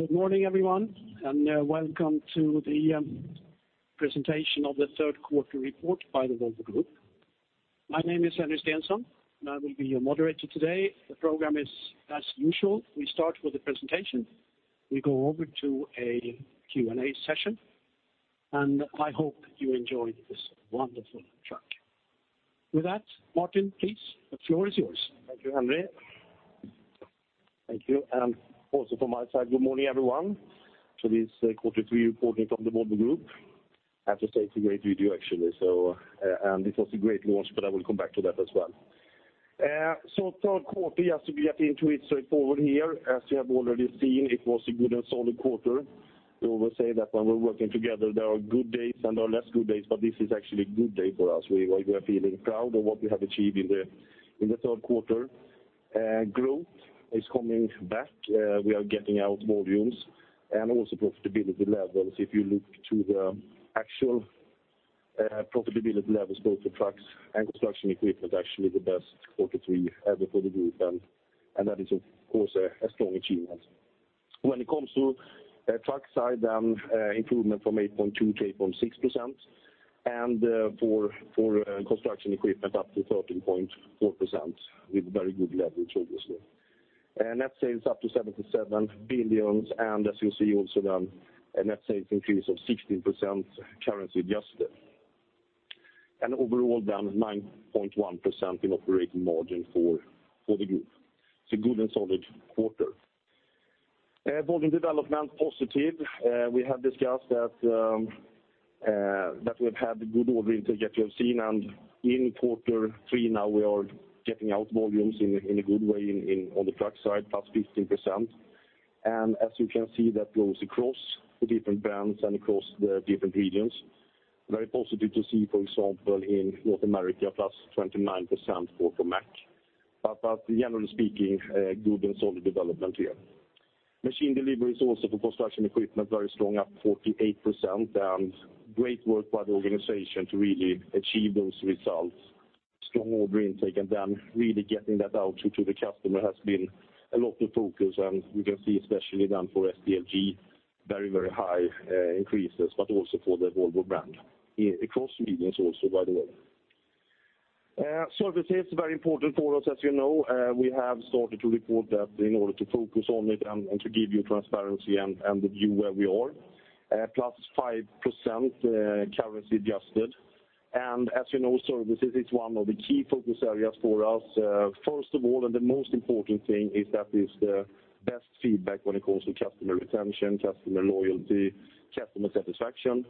Good morning, everyone, welcome to the presentation of the third quarter report by the Volvo Group. My name is Henry Stenson, and I will be your moderator today. The program is as usual. We start with the presentation. We go over to a Q&A session. I hope you enjoy this wonderful truck. With that, Martin, please, the floor is yours. Thank you, Henry. Thank you. Also from my side, good morning, everyone, to this quarter three reporting from the Volvo Group. I have to say it's a great video, actually. It was a great launch, but I will come back to that as well. Third quarter, as we get into it straight forward here, as you have already seen, it was a good and solid quarter. We will say that when we're working together, there are good days and are less good days, but this is actually a good day for us. We are feeling proud of what we have achieved in the third quarter. Growth is coming back. We are getting out volumes and also profitability levels. If you look to the actual profitability levels, both for trucks and construction equipment, actually the best quarter three ever for the group. That is, of course, a strong achievement. When it comes to truck side, improvement from 8.2% to 8.6%. For construction equipment, up to 13.4% with very good leverage, obviously. Net sales up to 77 billion. As you see also, a net sales increase of 16%, currency adjusted. Overall, down 9.1% in operating margin for the group. It's a good and solid quarter. Volume development, positive. We have discussed that we've had good order intake, as you have seen, in quarter three now we are getting out volumes in a good way on the truck side, plus 15%. As you can see, that goes across the different brands and across the different regions. Very positive to see, for example, in North America, plus 29% for Mack. Generally speaking, good and solid development here. Machine deliveries also for construction equipment, very strong, up 48%, great work by the organization to really achieve those results. Strong order intake really getting that out to the customer has been a lot of focus, we can see especially for SDLG, very high increases, also for the Volvo brand, across regions also, by the way. Services, very important for us, as you know. We have started to report that in order to focus on it and to give you transparency and the view where we are. Plus 5% currency adjusted. As you know, services is one of the key focus areas for us. First of all, and the most important thing is that it's the best feedback when it comes to customer retention, customer loyalty, customer satisfaction,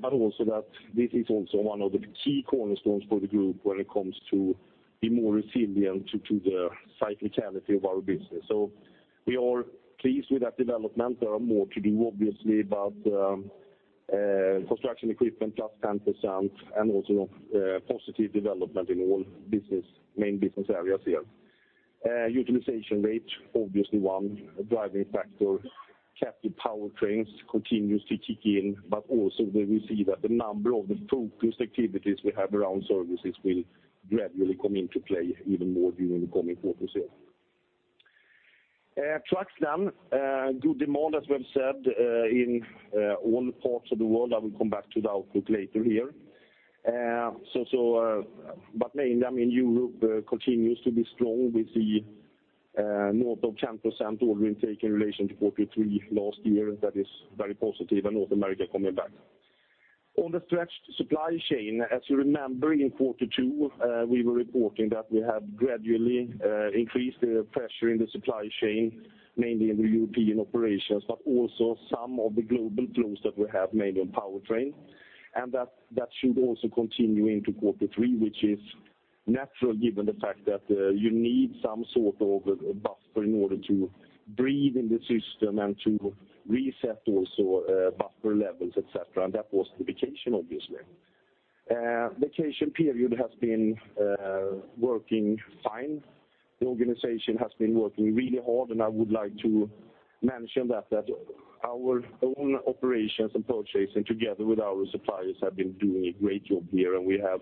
but also that this is also one of the key cornerstones for the Group when it comes to be more resilient to the cyclicality of our business. We are pleased with that development. There are more to do, obviously, but Construction Equipment +10% and also positive development in all main business areas here. Utilization rate, obviously one driving factor. Captive powertrains continues to kick in, but also where we see that the number of the focused activities we have around services will gradually come into play even more during the coming quarters here. Trucks. Good demand, as we've said, in all parts of the world. I will come back to the outlook later here. Mainly, Europe continues to be strong with the north of 10% order intake in relation to quarter 3 last year. That is very positive, and North America coming back. On the stretched supply chain, as you remember, in quarter 2, we were reporting that we have gradually increased the pressure in the supply chain, mainly in the European operations, but also some of the global flows that we have, mainly on powertrain. That should also continue into quarter 3, which is natural given the fact that you need some sort of buffer in order to breathe in the system and to reset also buffer levels, et cetera. That was the vacation, obviously. Vacation period has been working fine. The organization has been working really hard, and I would like to mention that our own operations and purchasing, together with our suppliers, have been doing a great job here, and we have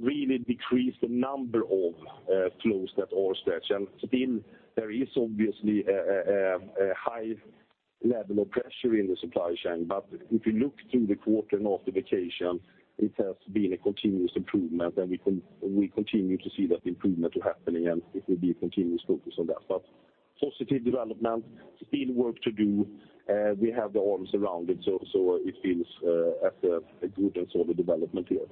really decreased the number of flows that are stretched. Still, there is obviously a high level of pressure in the supply chain. If you look through the quarter and after vacation, it has been a continuous improvement, and we continue to see that improvement happening, and it will be a continuous focus on that. Positive development, still work to do. We have the arms around it, so it feels as a good and solid development here.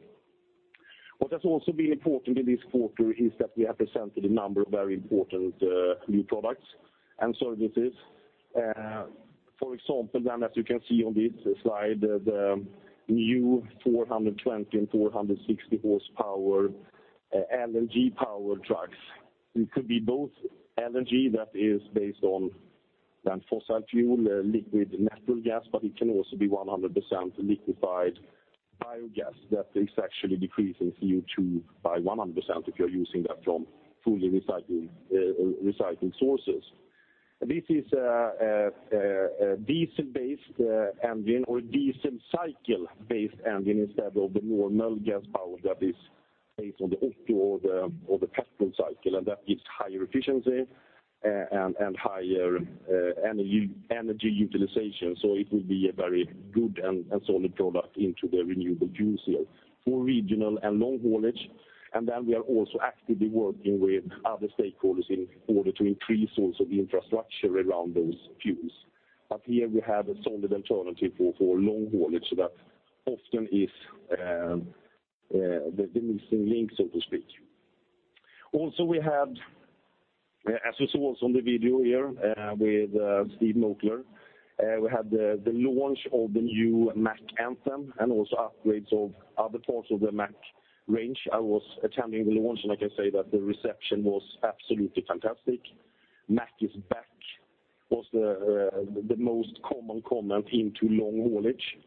What has also been important in this quarter is that we have presented a number of very important new products and services. For example, as you can see on this slide, the new 420- and 460-horsepower LNG powered trucks. It could be both LNG that is based on fossil fuel, liquid natural gas, but it can also be 100% liquefied biogas that is actually decreasing CO2 by 100% if you're using that from fully recycled sources. This is a diesel-based engine or a diesel cycle-based engine instead of the normal gas powered that is based on the auto or the petrol cycle, and that gives higher efficiency and higher energy utilization. It will be a very good and solid product into the renewable fuel sale for regional and long haulage. We are also actively working with other stakeholders in order to increase also the infrastructure around those fuels. Here we have a solid alternative for long haulage, so that often is the missing link, so to speak. Also, as we saw on the video here with Jonathan Randall, we had the launch of the new Mack Anthem and also upgrades of other parts of the Mack range. I was attending the launch, and I can say that the reception was absolutely fantastic. "Mack is back" was the most common comment into long haulage.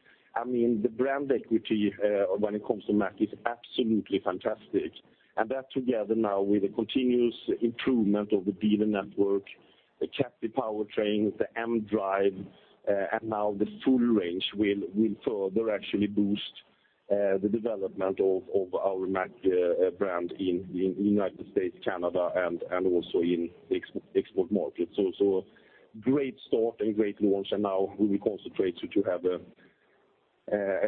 The brand equity when it comes to Mack is absolutely fantastic. That together now with the continuous improvement of the dealer network, the captive powertrains, the mDRIVE, and now the full range will further actually boost the development of our Mack brand in the U.S., Canada, and also in the export markets. Great start and great launch. Now we concentrate to have a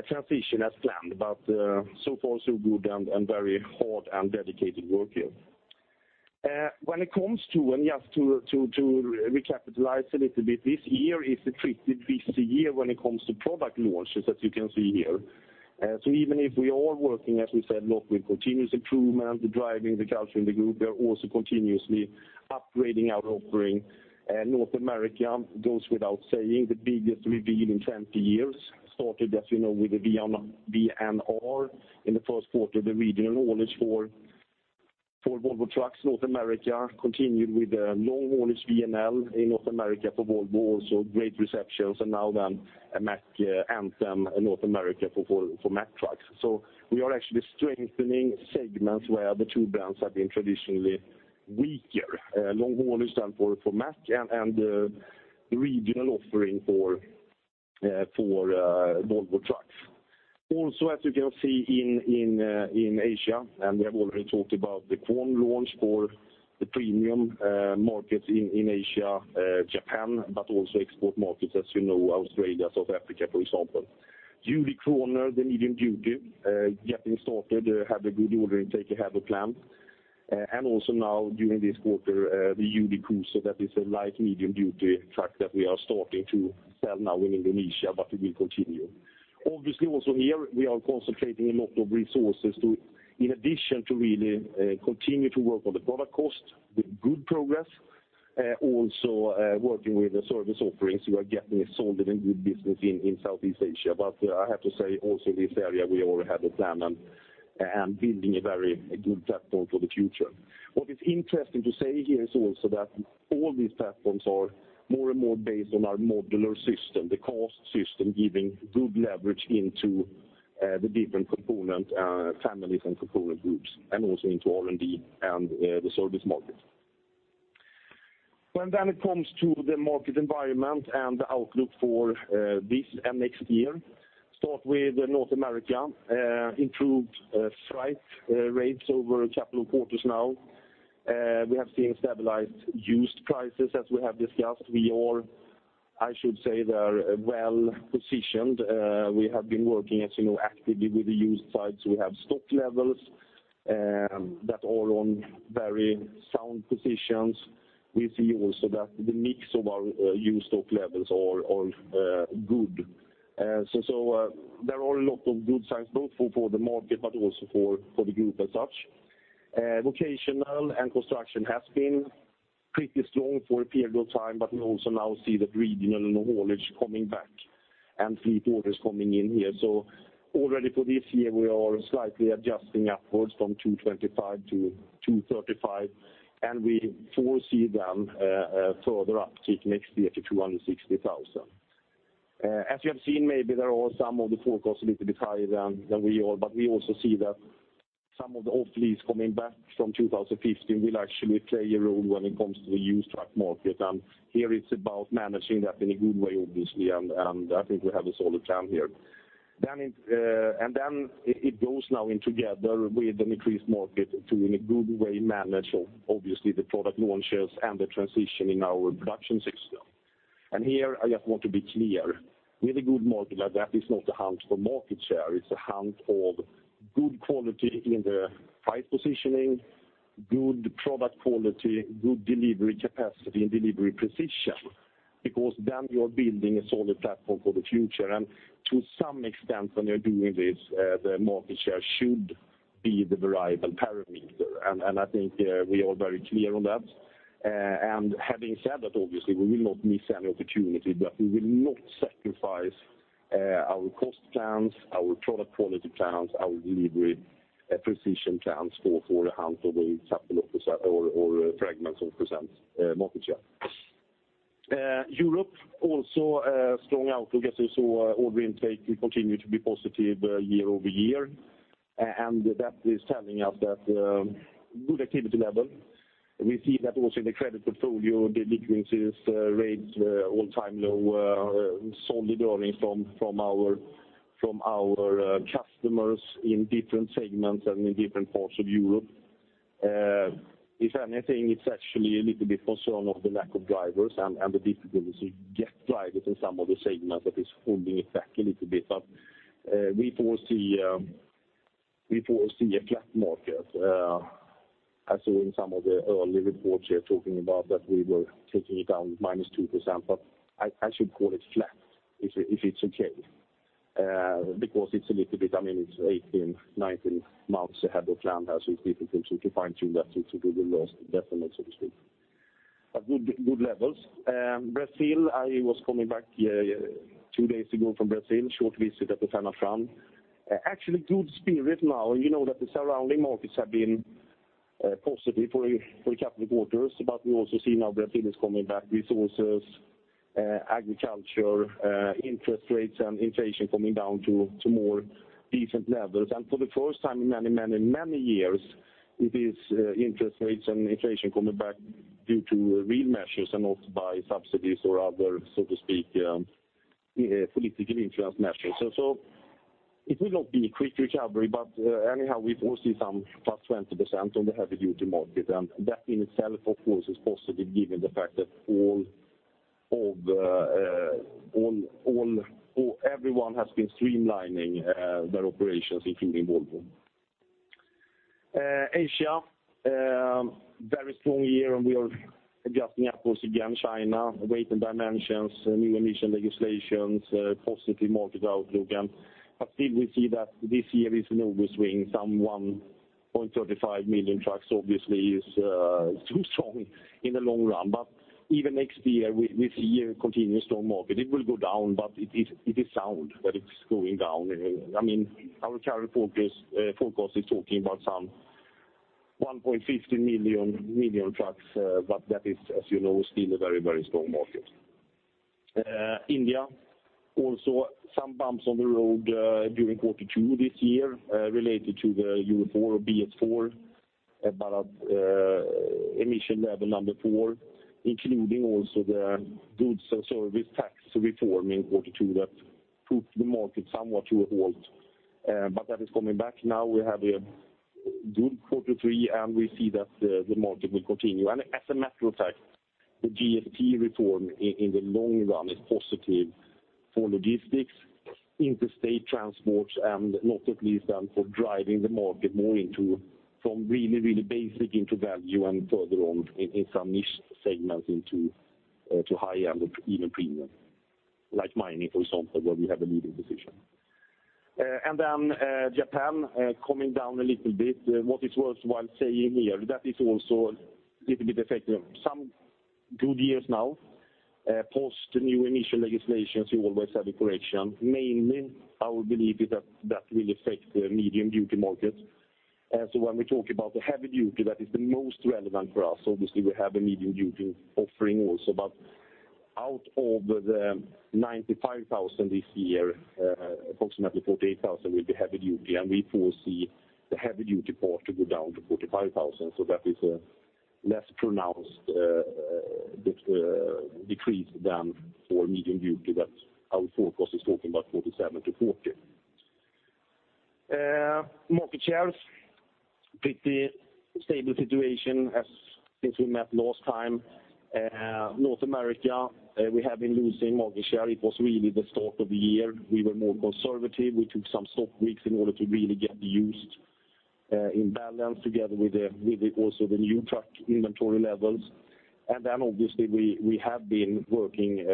transition as planned. So far, so good, and very hard and dedicated work here. To recapitalize a little bit, this year is a busy year when it comes to product launches, as you can see here. Even if we are working, as we said, a lot with continuous improvement, driving the culture in the group, we are also continuously upgrading our offering. North America, goes without saying, the biggest reveal in 20 years, started, as you know, with the VNR in the first quarter, the regional haulage for Volvo Trucks North America, continued with the long haulage VNL in North America for Volvo. Also great receptions. Now then, Mack Anthem in North America for Mack Trucks. We are actually strengthening segments where the two brands have been traditionally weaker. Long haulage then for Mack and the regional offering for Volvo Trucks. Also, as you can see in Asia, we have already talked about the Quon launch for the premium markets in Asia, Japan, but also export markets, as you know, Australia, South Africa, for example. UD Quon, the medium duty, getting started, have a good order intake, have a plan. Also now during this quarter, the UD Croner, that is a light, medium duty truck that we are starting to sell now in Indonesia, but it will continue. Obviously also here, we are concentrating a lot of resources in addition to really continue to work on the product cost with good progress, also working with the service offerings. We are getting a solid and good business in Southeast Asia. I have to say also this area, we already have a plan and building a very good platform for the future. What is interesting to say here is also that all these platforms are more and more based on our modular system, the cost system, giving good leverage into the different component families and component groups, and also into R&D and the service market. When then it comes to the market environment and the outlook for this and next year, start with North America. Improved freight rates over a couple of quarters now. We have seen stabilized used prices, as we have discussed. We are, I should say, well-positioned. We have been working, as you know, actively with the used side, so we have stock levels that are on very sound positions. We see also that the mix of our used stock levels are good. There are a lot of good signs, both for the market but also for the group as such. Vocational and construction has been pretty strong for a period of time. We also now see that regional and long haulage coming back and fleet orders coming in here. Already for this year, we are slightly adjusting upwards from 225 to 235, and we foresee a further uptick next year to 260,000. You have seen, maybe there are some of the forecasts a little bit higher than we are. We also see that some of the old fleets coming back from 2015 will actually play a role when it comes to the used truck market. Here it is about managing that in a good way, obviously, and I think we have a solid plan here. Then it goes now in together with an increased market to, in a good way, manage, obviously, the product launches and the transition in our production system. Here I just want to be clear. With a good market like that, it is not a hunt for market share. It is a hunt of good quality in the price positioning, good product quality, good delivery capacity, and delivery precision, because then you are building a solid platform for the future. To some extent, when you are doing this, the market share should be the variable parameter. I think we are very clear on that. Having said that, obviously, we will not miss any opportunity, but we will not sacrifice our cost plans, our product quality plans, our delivery precision plans for a hunt of a couple or fragments of % market share. Europe, also a strong outlook. As you saw, order intake will continue to be positive year-over-year, and that is telling us that good activity level. We see that also in the credit portfolio delinquency rates all-time low, solid earnings from our customers in different segments and in different parts of Europe. If anything, it is actually a little bit concerned about the lack of drivers and the difficulty to get drivers in some of the segments that is holding it back a little bit. We foresee a flat market. In some of the early reports here talking about that we were taking it down -2%, I should call it flat, if it is okay. It is a little bit, it is 18, 19 months ahead of plan, so it is difficult to find 2 so to speak. Good levels. Brazil, I was coming back here 2 days ago from Brazil, short visit at the Fenatran. Actually good spirit now. You know that the surrounding markets have been positive for a couple of quarters. We also see now Brazil is coming back, resources, agriculture, interest rates and inflation coming down to more decent levels. For the first time in many years, it is interest rates and inflation coming back due to real measures and not by subsidies or other, so to speak, political influence measures. It will not be a quick recovery, anyhow, we foresee some +20% on the heavy-duty market, and that in itself, of course, is positive given the fact that everyone has been streamlining their operations, including Volvo. Asia, very strong year. We are adjusting upwards again, China, weight and dimensions, new emission legislations, positive market outlook. Still we see that this year is an over swing, some 1.35 million trucks obviously is too strong in the long run. Even next year, we see a continuous strong market. It will go down, but it is sound that it's going down. Our current forecast is talking about some 1.15 million trucks, but that is, as you know, still a very strong market. India, also some bumps on the road during quarter 2 this year related to the Euro IV, BS IV, about emission level 4, including also the Goods and Services Tax reform in quarter 2 that put the market somewhat to a halt. That is coming back now. We have a good quarter 3, we see that the market will continue. As a matter of fact, the GST reform in the long run is positive for logistics, interstate transports, and not at least for driving the market more into from really basic into value and further on in some niche segments into high-end or even premium, like mining, for example, where we have a leading position. Japan, coming down a little bit. What is worthwhile saying here, that is also a little bit affected. Some good years now post new emission legislations, you always have a correction. Mainly, our belief is that that will affect the medium-duty market. When we talk about the heavy duty, that is the most relevant for us. Obviously, we have a medium-duty offering also. Out of the 95,000 this year, approximately 48,000 will be heavy duty, and we foresee the heavy-duty part to go down to 45,000. That is a less pronounced decrease than for medium duty that our forecast is talking about 47 to 40. Market shares, pretty stable situation since we met last time. North America, we have been losing market share. It was really the start of the year. We were more conservative. We took some stock weeks in order to really get used in balance together with also the new truck inventory levels. Obviously, we have been working,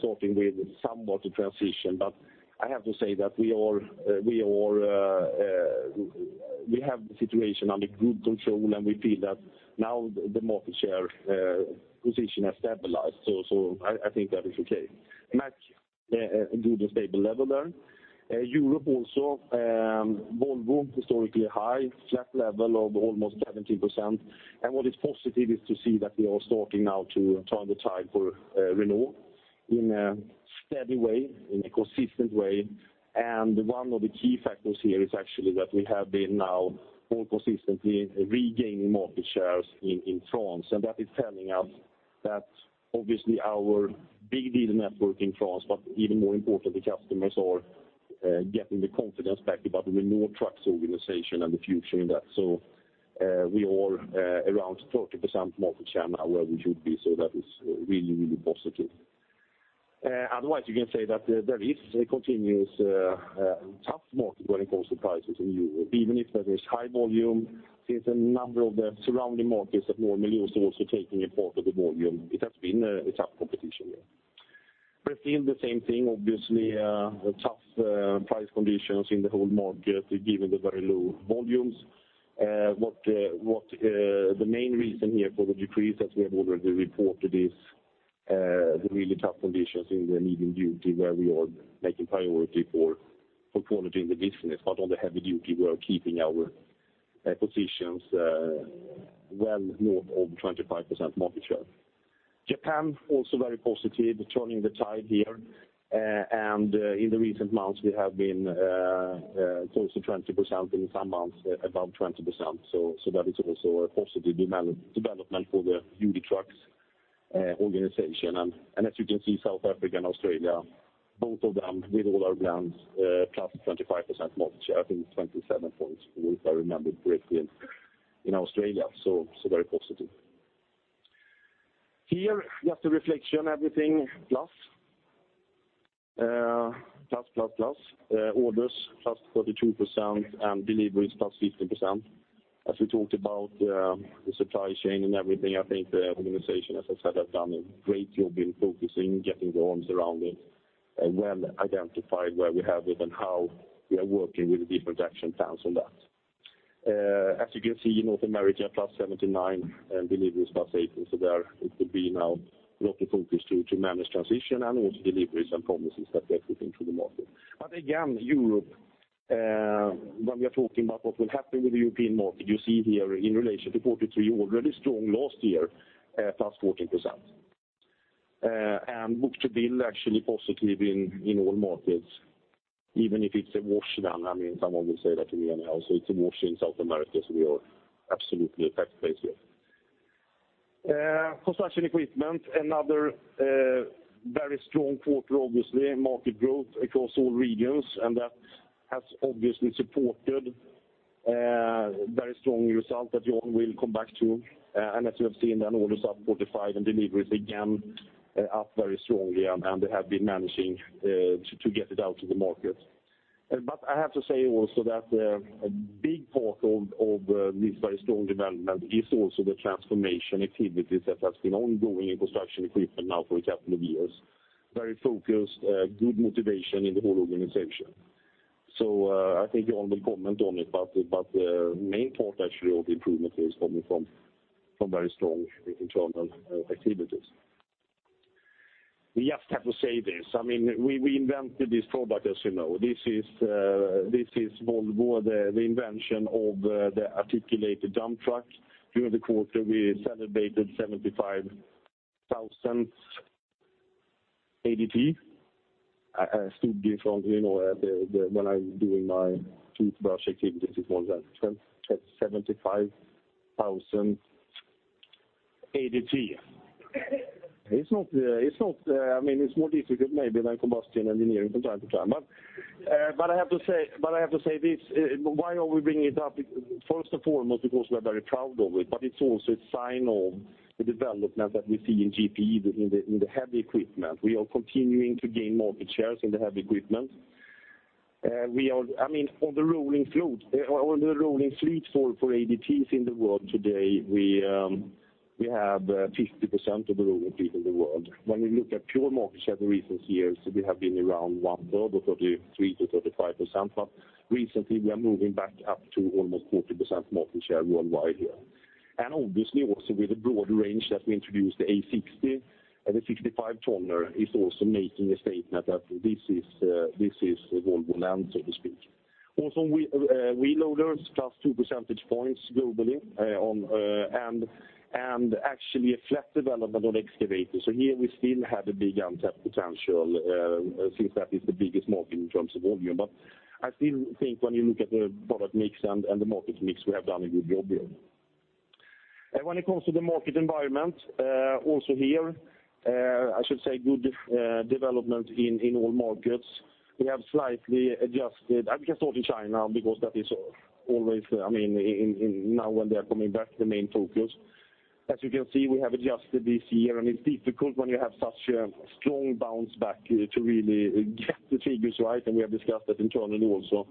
sorting with somewhat a transition. I have to say that we have the situation under good control, and we feel that now the market share position has stabilized. I think that is okay. Mack a good and stable level there. Europe also Volvo historically high, flat level of almost 17%. What is positive is to see that we are starting now to turn the tide for Renault in a steady way, in a consistent way. One of the key factors here is actually that we have been now more consistently regaining market shares in France. That is telling us that obviously our big dealer network in France, but even more importantly, customers are getting the confidence back about the Renault Trucks organization and the future in that. We are around 30% market share now where we should be. That is really positive. Otherwise, you can say that there is a continuous tough market when it comes to prices in Europe. Even if there is high volume, there is a number of the surrounding markets that normally used to also taking a part of the volume. It has been a tough competition there. Brazil, the same thing, obviously, tough price conditions in the whole market given the very low volumes. The main reason here for the decrease, as we have already reported, is the really tough conditions in the medium duty where we are making priority for quality in the business. On the heavy duty, we are keeping our positions well north of 25% market share. Japan, also very positive, turning the tide here. In the recent months, we have been close to 20%, in some months above 20%. That is also a positive development for the UD Trucks organization. As you can see, South Africa and Australia, both of them with all our brands, plus 25% market share, I think 27 points, if I remember correctly, in Australia. Very positive. Here, just a reflection, everything plus. Plus, plus. Orders plus 32% and deliveries plus 15%. As we talked about the supply chain and everything, I think the organization, as I said, have done a great job in focusing, getting their arms around it, well identifying where we have it and how we are working with the different action plans on that. As you can see, North America plus 79, and deliveries plus eight. There it will be now a lot of focus to manage transition and also deliveries and promises that we are putting to the market. Again, Europe, when we are talking about what will happen with the European market, you see here in relation to Q3, already strong last year, plus 14%. Book to bill, actually positive in all markets, even if it's a wash then. Someone will say that to me, also it's a wash in South America, so we are absolutely happy there. Construction equipment, another very strong quarter, obviously. Market growth across all regions, That has obviously supported a very strong result that Jan will come back to. As you have seen, orders up 45, deliveries, again, up very strongly, They have been managing to get it out to the market. I have to say also that a big part of this very strong development is also the transformation activities that has been ongoing in construction equipment now for a couple of years. Very focused, good motivation in the whole organization. I think Jan will comment on it, but the main part, actually, of the improvement is coming from very strong internal activities. We just have to say this. We invented this product, as you know. This is Volvo, the invention of the articulated dump truck. During the quarter, we celebrated 75,000th ADT. I stood here when I was doing my toothbrush activities this morning. I said, "75,000 ADT." It's more difficult maybe than combustion engineering from time to time. I have to say this, why are we bringing it up? First and foremost, because we are very proud of it's also a sign of the development that we see in GPE in the heavy equipment. We are continuing to gain market shares in the heavy equipment. On the rolling fleet for ADTs in the world today, we have 50% of the rolling fleet in the world. When we look at pure market share the recent years, we have been around one-third of 33%-35%, recently, we are moving back up to almost 40% market share worldwide here. Obviously also with the broader range that we introduced, the A60 and the 65-tonner is also making a statement that this is Volvo land, so to speak. Wheel loaders, plus 2 percentage points globally, and actually a flat development on excavators. Here we still have a big untapped potential, since that is the biggest market in terms of volume. I still think when you look at the product mix and the market mix, we have done a good job here. When it comes to the market environment, also here, I should say good development in all markets. We have slightly adjusted, I can start in China because that is always, now when they are coming back, the main focus. As you can see, we have adjusted this year, it's difficult when you have such a strong bounce back to really get the figures right, we have discussed that internally also.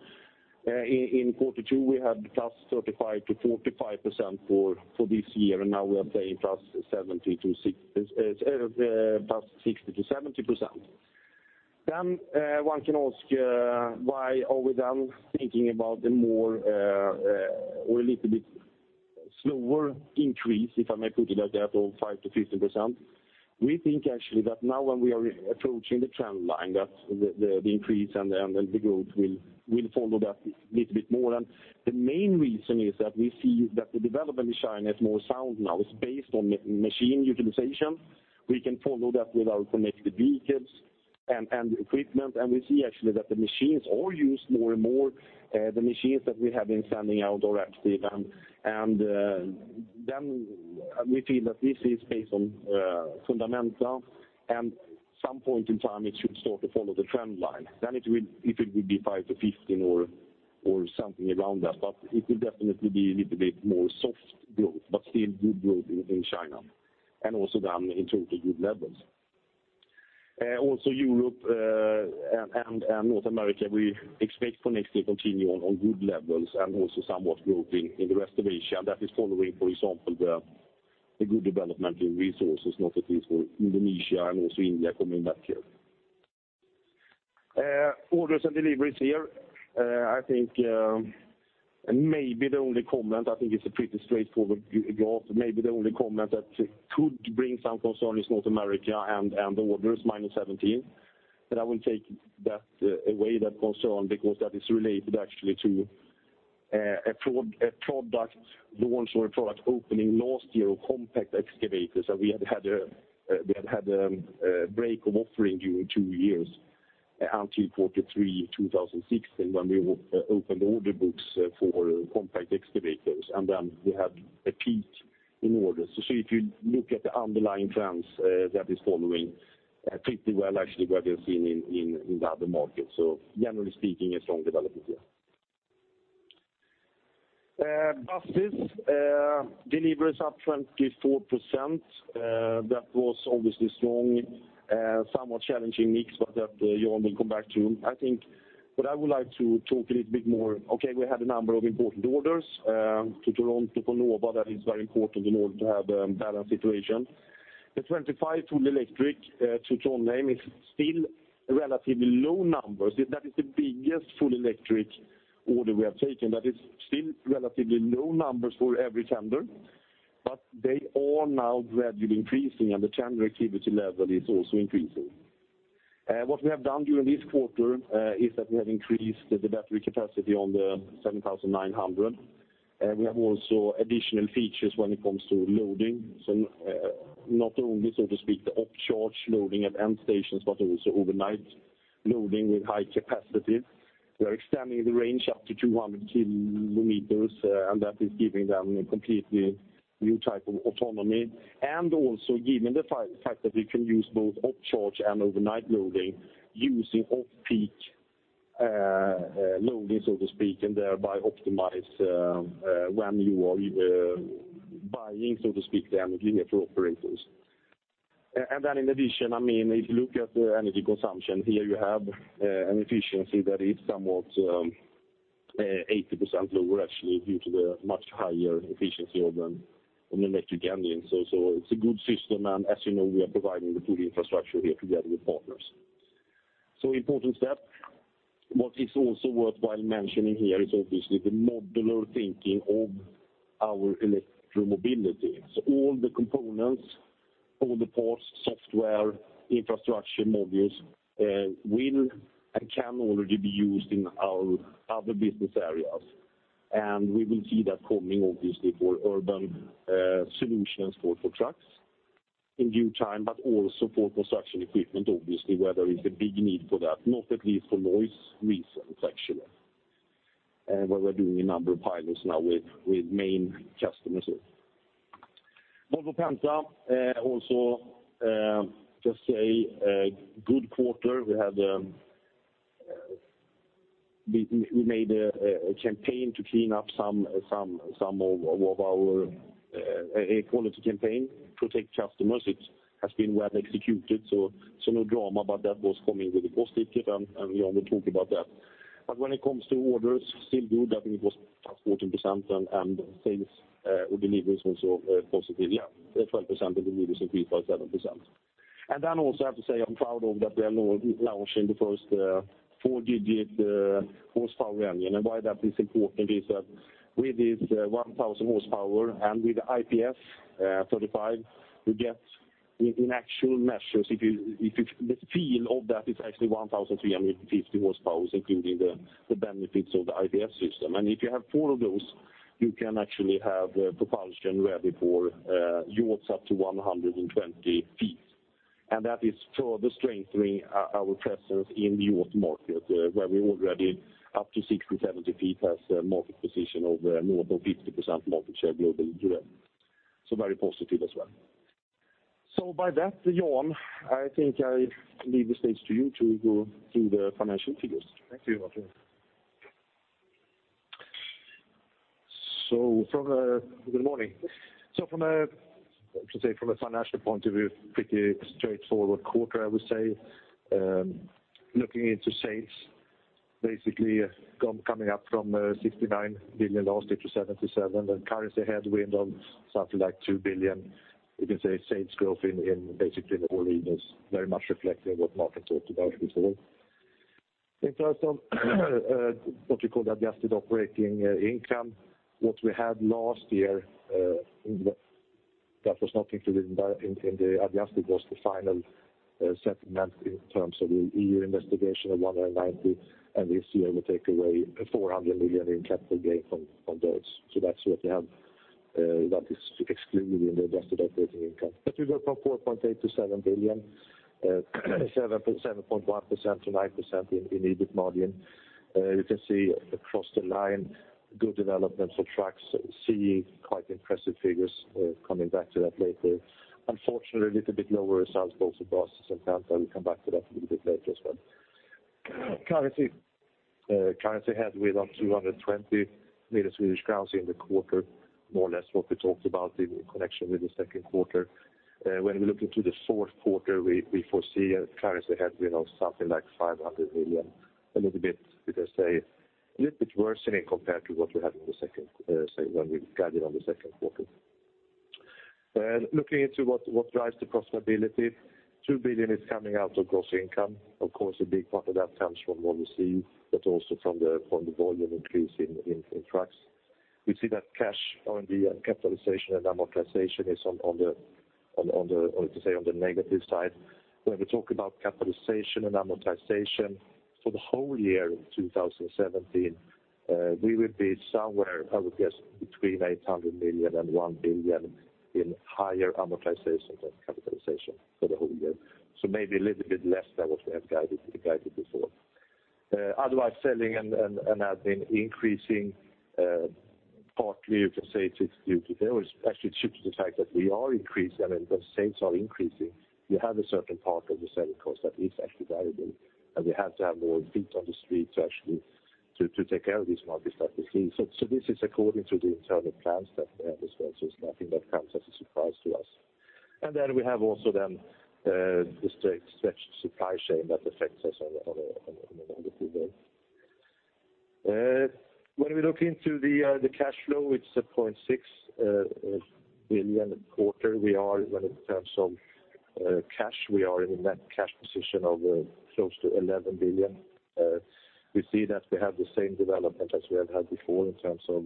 In Q2, we had +35% to +45% for this year, and now we are saying +60% to +70%. One can ask why are we then thinking about a little bit slower increase, if I may put it like that, of 5%-15%? We think actually that now when we are approaching the trend line, that the increase and the growth will follow that a little bit more. The main reason is that we see that the development in China is more sound now. It's based on machine utilization. We can follow that with our connected vehicles and equipment, we see actually that the machines are used more and more, the machines that we have been sending out are active. We feel that this is based on fundamentals, some point in time, it should start to follow the trend line. If it will be 5%-15% or something around that. It will definitely be a little bit more soft growth, but still good growth in China, also then in total good levels. Europe and North America, we expect for next year continue on good levels and also somewhat growth in the rest of Asia. That is following, for example, the good development in resources, not least for Indonesia and also India coming back here. Orders and deliveries here. I think maybe the only comment, it's a pretty straightforward graph. Maybe the only comment that could bring some concern is North America and the orders, -17%. I will take away that concern because that is related actually to a product launch or a product opening last year of compact excavators that we had a break of offering during 2 years until Q3 2016, when we opened order books for compact excavators, we had a peak in orders. If you look at the underlying trends, that is following pretty well actually what we have seen in the other markets. Generally speaking, a strong development. Buses, deliveries up 24%. That was obviously strong. Somewhat challenging mix, that Jan will come back to, I think. What I would like to talk a little bit more, okay, we had a number of important orders, 7900 Nova Bus, that is very important in order to have a balanced situation. The 25 full electric 7900 is still relatively low numbers. That is the biggest full electric order we have taken, but it is still relatively low numbers for every tender. They are now gradually increasing, the tender activity level is also increasing. What we have done during this quarter is that we have increased the battery capacity on the 7900. We have also additional features when it comes to loading. Not only, so to speak, the off-charge loading at end stations, but also overnight loading with high capacity. We are extending the range up to 200 km, and that is giving them a completely new type of autonomy. Also given the fact that you can use both off-charge and overnight loading using off-peak loading, so to speak, thereby optimize when you are buying, so to speak, the energy for operators. In addition, if you look at the energy consumption, here you have an efficiency that is somewhat 80% lower, actually, due to the much higher efficiency of an electric engine. It is a good system, as you know, we are providing the full infrastructure here together with partners. Important step. What is also worthwhile mentioning here is obviously the modular thinking of our electromobility. All the components, all the parts, software, infrastructure modules will, and can already be used in our other business areas. We will see that coming obviously for urban solutions for trucks in due time, but also for construction equipment, obviously, where there is a big need for that, not least for noise reasons, actually, where we are doing a number of pilots now with main customers. Volvo Penta also just a good quarter. We made a quality campaign to protect customers. It has been well executed, so no drama about that. It was coming with a positive, Johan will talk about that. When it comes to orders, still good. I think it was +14%, sales or deliveries also positive, 12%. Deliveries increase by 7%. Also I have to say, I am proud that we are launching the first four-digit horsepower engine. Why that is important is that with its 1,000 horsepower and with IPS 35, we get in actual measures, the feel of that is actually 1,350 horsepower, including the benefits of the IPS system. If you have four of those, you can actually have propulsion ready for yachts up to 120 feet. That is further strengthening our presence in the yacht market, where we already up to 60-70 feet, has a market position of more than 50% market share globally today. Very positive as well. By that, Johan, I think I leave the stage to you to go through the financial figures. Thank you, Martin. Good morning. From a financial point of view, pretty straightforward quarter, I would say. Looking into sales, basically coming up from 69 billion last year to 77 billion, and currency headwind of something like 2 billion. You can say sales growth in basically all regions, very much reflecting what Martin talked about before. In terms of what we call the adjusted operating income, what we had last year, that was not included in the adjusted, was the final settlement in terms of the E.U. investigation of 190 million, and this year we take away 400 million in capital gain from those. That is excluded in the adjusted operating income. We go from 4.8 billion to 7 billion, 7.1%-9% in EBIT margin. You can see across the line, good development for Trucks. We see quite impressive figures coming back to that later. Unfortunately, a little bit lower sales both in Buses and Penta. We will come back to that a little bit later as well. Currency headwind of 220 million in the quarter, more or less what we talked about in connection with the second quarter. When we look into the fourth quarter, we foresee a currency headwind of something like 500 million, a little bit worsening compared to what we had when we guided on the second quarter. Looking into what drives the profitability, 2 billion is coming out of gross income. Of course, a big part of that comes from what we see, but also from the volume increase in Trucks. We see that cash R&D and capitalization and amortization is on the negative side. We talk about capitalization and amortization for the whole year of 2017, we will be somewhere, I would guess, between 800 million and 1 billion in higher amortization than capitalization for the whole year. Maybe a little bit less than what we have guided before. Selling and admin increasing, partly you can say it is due to, actually due to the fact that we are increasing, I mean, the sales are increasing. You have a certain part of the selling cost that is actually variable, and we have to have more feet on the street to actually take care of these markets that we see. This is according to the internal plans that we have as well. It is nothing that comes as a surprise to us. We have also the stretched supply chain that affects us on a negative way. We look into the cash flow, it is at 0.6 billion a quarter. It comes of cash, we are in a net cash position of close to 11 billion. We see that we have the same development as we have had before in terms of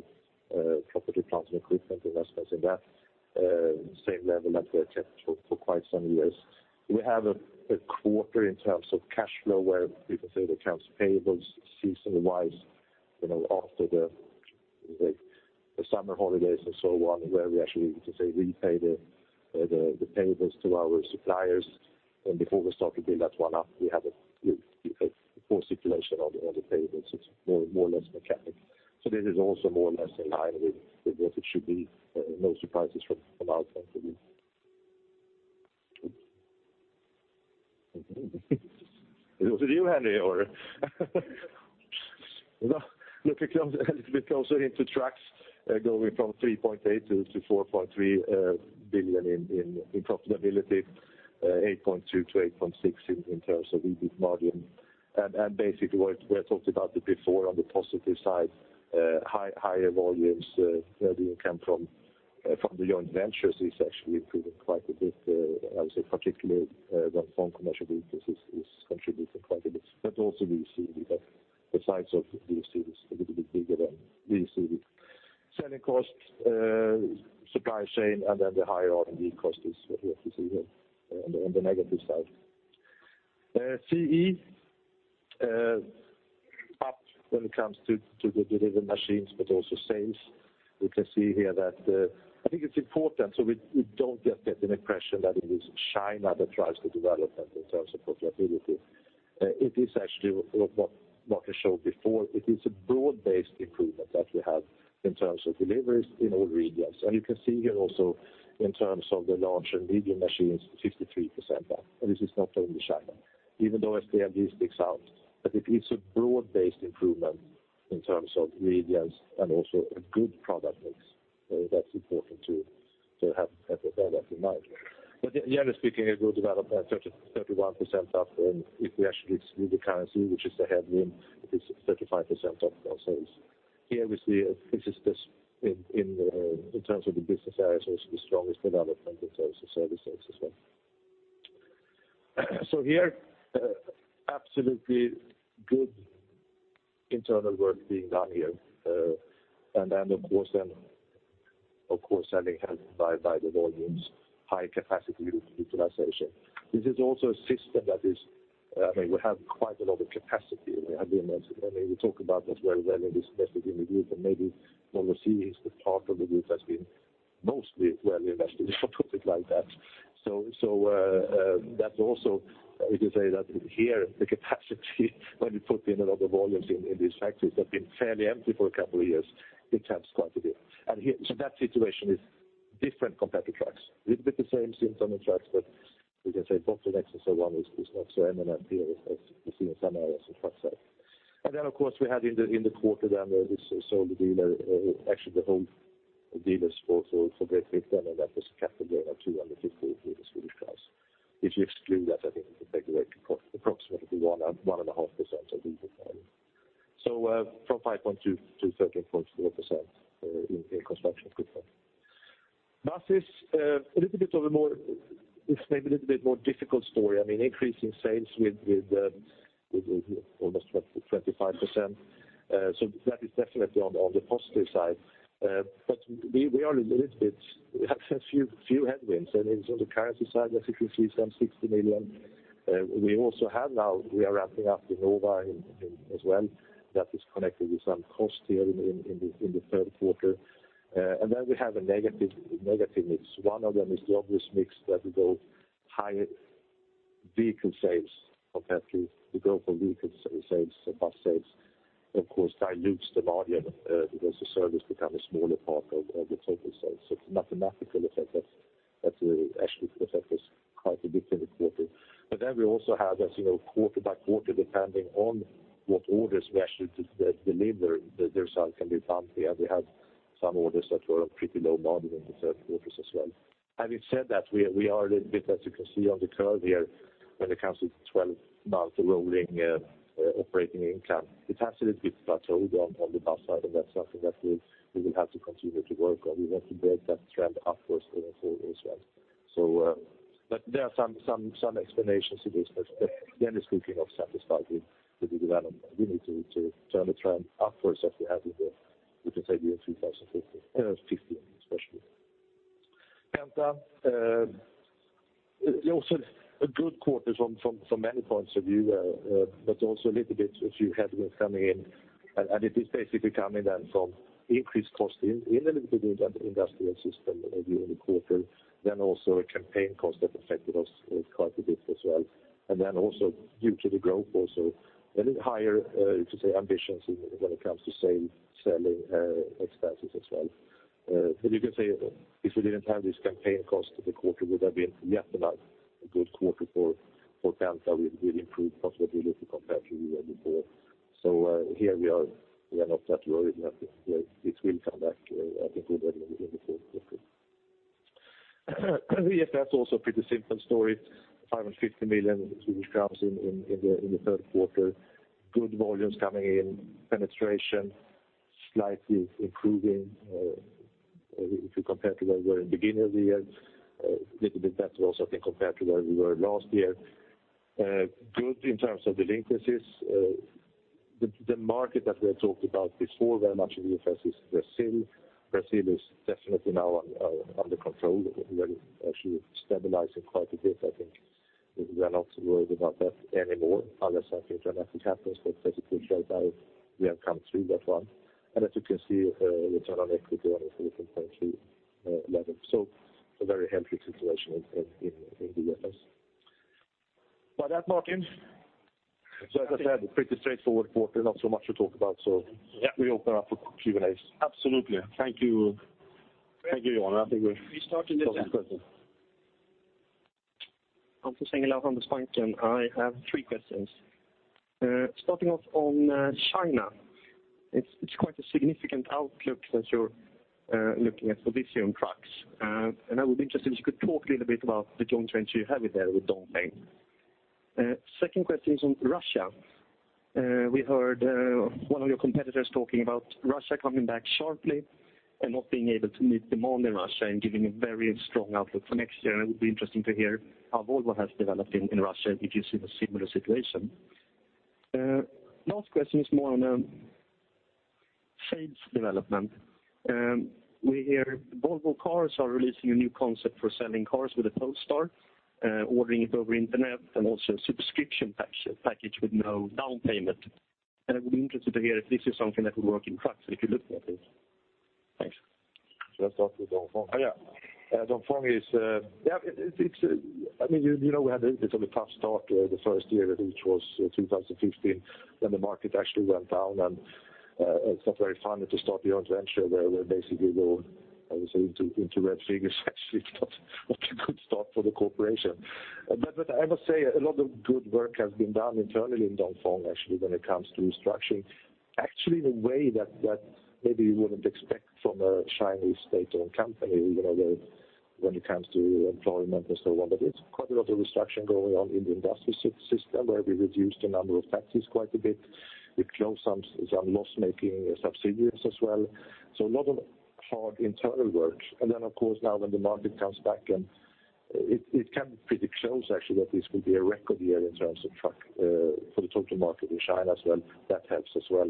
property, plant, and equipment investments, and that same level that we have kept for quite some years. We have a quarter in terms of cash flow, where we can say the accounts payables seasonal-wise, after the summer holidays and so on, where we actually repay the payables to our suppliers. Before we start to build that one up, we have a poor situation on the payables. It is more or less mechanic. This is also more or less in line with what it should be. No surprises from our point of view. Was it you, Henry? Look a little bit closer into trucks, going from 3.8 billion-4.3 billion in profitability, 8.2%-8.6% in terms of EBIT margin. Basically, what we have talked about before on the positive side, higher volumes, the income from the joint ventures is actually improving quite a bit. I would say particularly Dongfeng Commercial Vehicles is contributing quite a bit, but also VEC. The size of VEC is a little bit bigger than DFCV. Selling costs, supply chain, then the higher R&D cost is what you have to see here on the negative side. CE, up when it comes to the delivered machines, but also sales. We can see here that I think it's important so we don't get the impression that it is China that drives the development in terms of profitability. It is actually what I showed before. It is a broad-based improvement that we have in terms of deliveries in all regions. You can see here also in terms of the large and medium machines, 53% up, and this is not only China, even though SDLG sticks out. It is a broad-based improvement in terms of regions and also a good product mix. That's important to have in mind. Generally speaking, a good development, 31% up, and if we actually exclude the currency, which is a headwind, it is 35% up in our sales. Here we see this in terms of the business areas, also the strongest development in terms of service sales as well. Here, absolutely good internal work being done here. Then, of course, selling has by the volumes, high capacity utilization. This is also a system that is. We have quite a lot of capacity. We talk about that well in this message in the group. Maybe Volvo CE is the part of the group that's been mostly well invested, to put it like that. That also, we can say that here, the capacity, when we put in a lot of volumes in these factories, have been fairly empty for a couple of years. It helps quite a bit. That situation is different compared to trucks. A little bit the same symptom in trucks, but we can say Volvo Penta and so on is not so eminent here as we see in some areas on truck side. Then, of course, we had in the quarter then this sole dealer, actually the whole dealers for Great Britain, that was capitalized 250 million. If you exclude that, I think it will take away approximately 1.5% of EBIT value. From 5.2%-13.4% in Construction Equipment. Bus is maybe a little bit more difficult story. Increasing sales with almost 25%, that is definitely on the positive side. We are a little bit. We have a few headwinds, and it's on the currency side, as you can see, some 60 million. We are ramping up the Nova as well. That is connected with some cost here in the third quarter. Then we have a negative mix. One of them is the obvious mix that we go higher vehicle sales. We go for vehicle sales, so bus sales, of course, dilutes the margin because the service become a smaller part of the total sales. It's a mathematical effect that actually affect us quite a bit in the quarter. We also have, as you know, quarter by quarter, depending on what orders we actually deliver, the result can be bumpy, and we have some orders that were pretty low margin in the third quarters as well. Having said that, we are a little bit, as you can see on the curve here, when it comes to 12 months rolling operating income, it's actually a bit plateaued on the bus side, and that's something that we will have to continue to work on. We want to break that trend upwards going forward as well. There are some explanations to this, speaking of satisfied with the development, we need to turn the trend upwards as we had in the, you can say, 2015, especially. Penta, also a good quarter from many points of view, a little bit, a few headwinds coming in, it is basically coming from increased cost in a little bit in the industrial system during the quarter, a campaign cost that affected us quite a bit as well. Due to the growth also, a little higher, you could say, ambitions when it comes to selling expenses as well. You can say if we didn't have this campaign cost, the quarter would have been yet another good quarter for Penta with improved profitability compared to where we were before. Here we are not that worried that it will come back, I think already in the fourth quarter. VFS, also pretty simple story, 550 million Swedish crowns, which comes in the third quarter. Good volumes coming in, penetration slightly improving, if you compare to where we were in beginning of the year, a little bit better also than compared to where we were last year. Good in terms of delinquencies. The market that we had talked about before very much in VFS is Brazil. Brazil is definitely now under control, actually stabilizing quite a bit. I think we are not worried about that anymore, unless something dramatic happens, but as it is right now, we have come through that one. As you can see, return on equity on a 14.2% level. A very healthy situation in VFS. With that, Martin? As I said, pretty straightforward quarter, not so much to talk about. Yep. We open up for Q&As. Absolutely. Thank you. Thank you, Jan. We start with this end. I have three questions. Starting off on China. It's quite a significant outlook that you're looking at for VC and trucks. I would be interested if you could talk a little bit about the joint venture you have there with Dongfeng. Second question is on Russia. We heard one of your competitors talking about Russia coming back sharply and not being able to meet demand in Russia and giving a very strong outlook for next year. It would be interesting to hear how Volvo has developed in Russia, if you see the similar situation. Last question is more on sales development. We hear Volvo Cars are releasing a new concept for selling cars with a cold start, ordering it over internet, and also a subscription package with no down payment. I would be interested to hear if this is something that will work in trucks, if you're looking at it. Thanks. Should I start with Dongfeng? Yeah. Dongfeng. We had a bit of a tough start the first year, I think it was 2015, when the market actually went down, it's not very fun to start your own venture where we're basically going, I would say, into red figures, actually, not a good start for the corporation. I must say, a lot of good work has been done internally in Dongfeng, actually, when it comes to restructuring. Actually, the way that maybe you wouldn't expect from a Chinese state-owned company, when it comes to employment and so on. It's quite a lot of restructuring going on in the industrial system, where we reduced the number of factories quite a bit. We closed some loss-making subsidiaries as well. A lot of hard internal work. Of course, now when the market comes back, it can be pretty close, actually, that this will be a record year in terms of truck for the total market in China as well. That helps as well.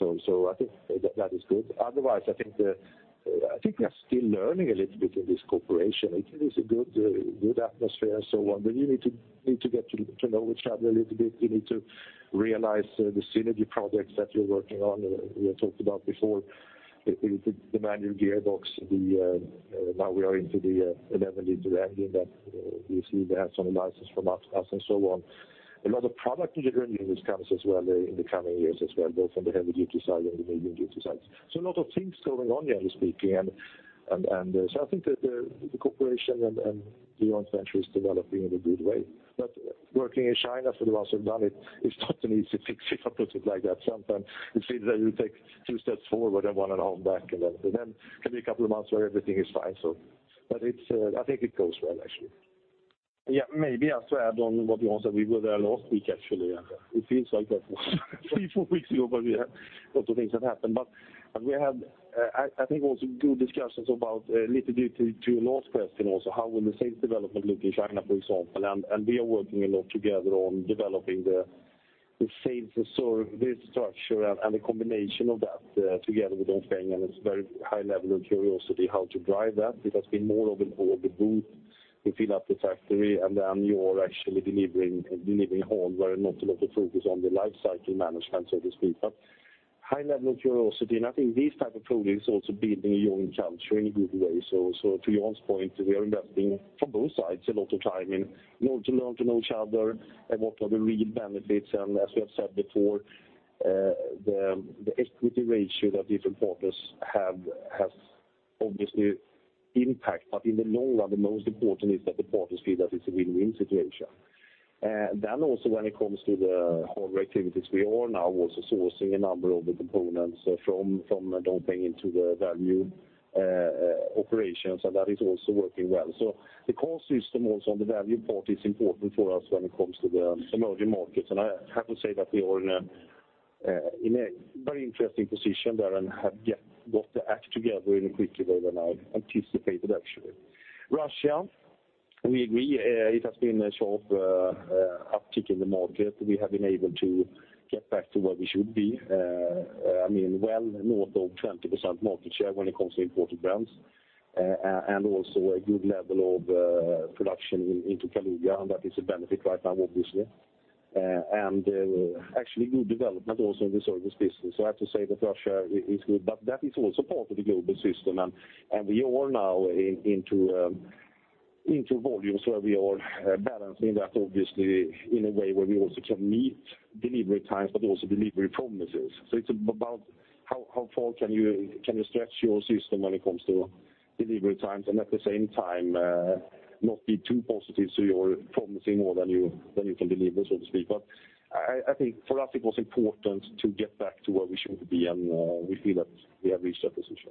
I think that is good. Otherwise, I think we are still learning a little bit in this cooperation. It is a good atmosphere and so on, but you need to get to know each other a little bit. You need to realize the synergy projects that you're working on. We had talked about before, the manual gearbox, now we are into the 11 liter engine that we see they have some license from us and so on. A lot of product renewal comes as well in the coming years as well, both on the heavy-duty side and the medium-duty sides. A lot of things going on, generally speaking. I think that the cooperation and the joint venture is developing in a good way. Working in China, for those who've done it's not an easy fix if I put it like that. Sometimes it feels like you take two steps forward and one and a half back, and then it can be a couple of months where everything is fine. I think it goes well, actually. Yeah, maybe also add on what Jan said, we were there last week, actually. It feels like that was three, four weeks ago, but lots of things have happened. We had I think also good discussions about, a little due to your last question also, how will the sales development look in China, for example. We are working a lot together on developing the sales and service structure and the combination of that together with Dongfeng, and it's very high level of curiosity how to drive that. It has been more of an order boom to fill up the factory, and then you are actually delivering home where not a lot of focus on the life cycle management, so to speak. High level of curiosity, and I think these type of programs also building a joint culture in a good way. To Jan's point, we are investing from both sides a lot of time in to learn to know each other and what are the real benefits. As we have said before, the equity ratio that different partners have has obviously impact. In the long run, the most important is that the partners feel that it's a win-win situation. Also when it comes to the harder activities, we are now also sourcing a number of the components from Dongfeng into the Volvo operations, and that is also working well. The cost system also on the Volvo part is important for us when it comes to the emerging markets. I have to say that we are in a very interesting position there and have got the act together in a quicker way than I anticipated, actually. Russia, we agree, it has been a sharp uptick in the market. We have been able to get back to where we should be. Well north of 20% market share when it comes to imported brands, and also a good level of production into Kaluga, and that is a benefit right now, obviously. Actually good development also in the service business. I have to say that Russia is good, but that is also part of the global system. We are now into volumes where we are balancing that obviously in a way where we also can meet delivery times, but also delivery promises. It's about how far can you stretch your system when it comes to delivery times and at the same time, not be too positive, so you're promising more than you can deliver, so to speak. I think for us, it was important to get back to where we should be, and we feel that we have reached that position.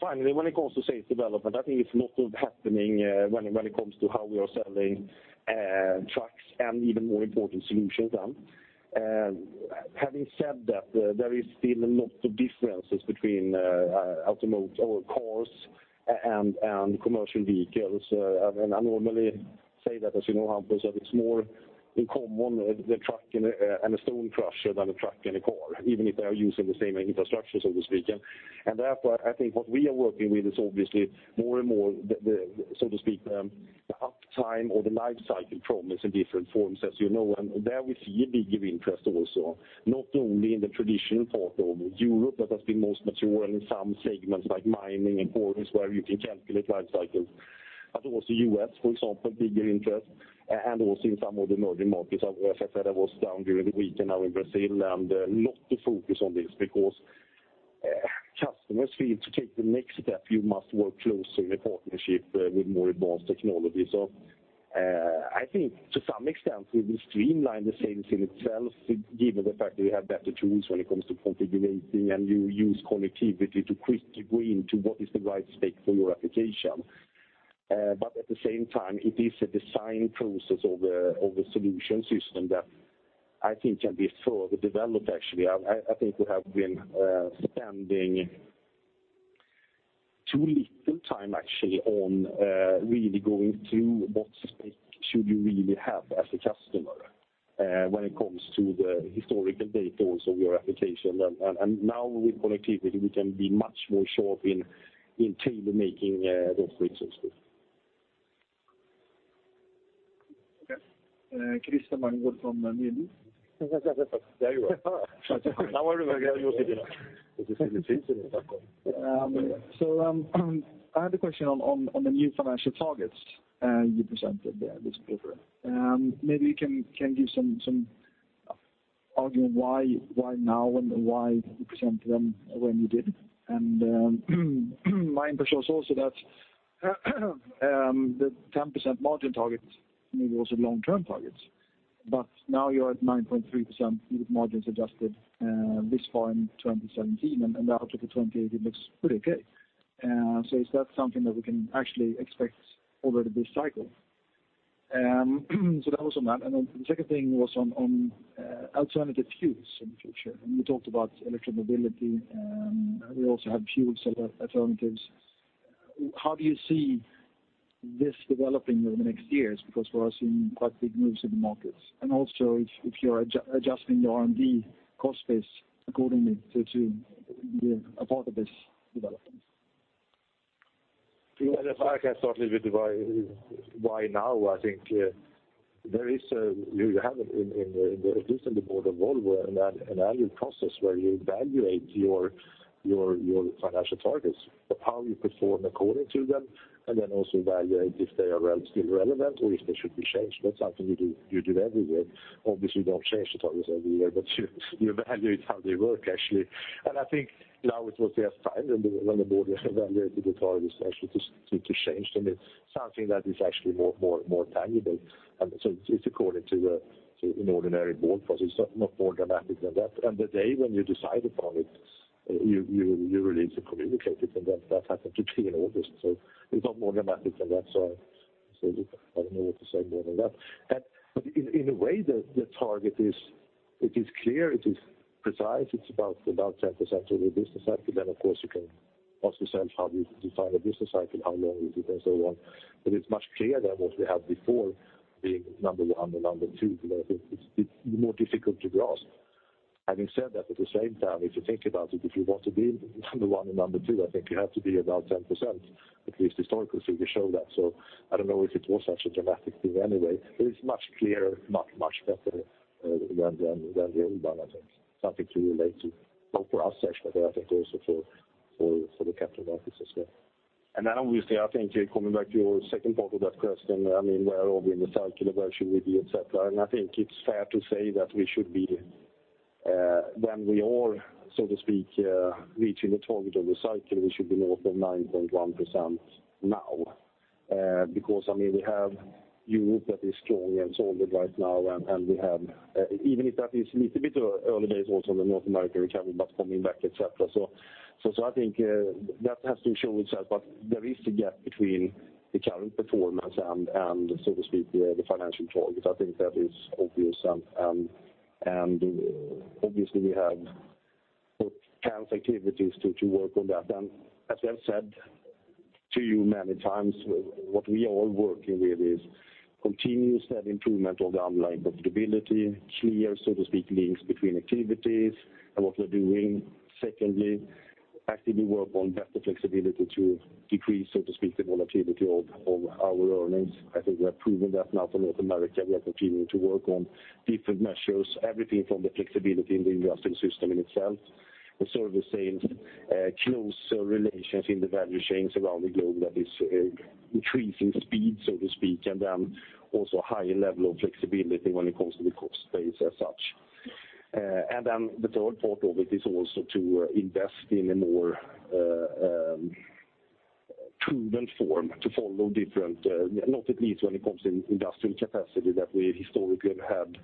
Finally, when it comes to sales development, I think it's a lot happening when it comes to how we are selling trucks and even more important solutions. Having said that, there is still a lot of differences between automotive or cars and commercial vehicles. I normally say that, as you know, Hampus, that it's more in common the truck and a stone crusher than a truck and a car, even if they are using the same infrastructure, so to speak. Therefore, I think what we are working with is obviously more and more, so to speak, the uptime or the life cycle promise in different forms, as you know. There we see a bigger interest also, not only in the traditional part of Europe that has been most mature in some segments like mining and ports where you can calculate life cycles, but also U.S., for example, bigger interest, and also in some of the emerging markets. As I said, I was down during the week now in Brazil. A lot of focus on this because customers feel to take the next step, you must work closely in a partnership with more advanced technology. I think to some extent, we will streamline the sales in itself, given the fact that we have better tools when it comes to configurating and you use connectivity to quickly go into what is the right spec for your application. At the same time, it is a design process of a solution system that I think can be further developed, actually. I think we have been spending too little time actually on really going to what spec should you really have as a customer, when it comes to the historical data also of your application. Now with connectivity, we can be much more sharp in table making those grids, so to speak. Okay. Christer Malm from DNB. There you are. Now we're very. I had a question on the new financial targets you presented there this quarter. Maybe you can give some argument why now and why you presented them when you did. My impression is also that the 10% margin target maybe was a long-term target, but now you are at 9.3% EBIT margins adjusted this far in 2017, and the outlook to 2028 looks pretty okay. Is that something that we can actually expect over this cycle? That was on that. The second thing was on alternative fuels in the future. You talked about electric mobility, we also have fuel cell alternatives. How do you see this developing over the next years? Because we are seeing quite big moves in the markets. Also if you are adjusting your R&D cost base accordingly to the part of this development. If I can start a little bit why now. I think you have it in the recent board of Volvo, an annual process where you evaluate your financial targets, how you perform according to them, and then also evaluate if they are still relevant or if they should be changed. That's something you do every year. Obviously, you don't change the targets every year, but you evaluate how they work. I think now it was the first time when the board evaluated the targets actually to change them. It's something that is actually more tangible. It's according to an ordinary board process, not more dramatic than that. The day when you decide upon it, you release and communicate it, then that happened to key in August. It's not more dramatic than that, I don't know what to say more than that. In a way, the target is clear, it is precise. It's about 10% over the business cycle. Of course you can ask yourself how do you define a business cycle, how long it is, and so on. It's much clearer than what we had before, being number one or number two, because I think it's more difficult to grasp. Having said that, at the same time, if you think about it, if you want to be number one and number two, I think you have to be about 10%, at least historically we show that. I don't know if it was such a dramatic thing anyway, but it's much clearer, much better than the old one, I think. Something to relate to. Both for us actually, but I think also for the capital markets as well. Obviously, I think coming back to your second part of that question, where are we in the cycle, where should we be, et cetera. I think it's fair to say that we should be, than we are, so to speak, reaching the target of the cycle. We should be north of 9.1% now. We have Europe that is strong and solid right now, and we have, even if that is little bit early days also in the North America recovery, but coming back, et cetera. I think that has to show itself, but there is a gap between the current performance and the financial targets. I think that is obvious. Obviously we have put plans, activities to work on that. As I've said to you many times, what we are all working with is continuous improvement of the underlying profitability, clear, so to speak, links between activities and what we're doing. Secondly, actively work on better flexibility to decrease, so to speak, the volatility of our earnings. I think we have proven that now from North America. We are continuing to work on different measures, everything from the flexibility in the industrial system in itself, the service sales, closer relations in the value chains around the globe that is increasing speed, so to speak, and then also higher level of flexibility when it comes to the cost base as such. The third part of it is also to invest in a more prudent form to follow different, not at least when it comes in industrial capacity, that we historically have had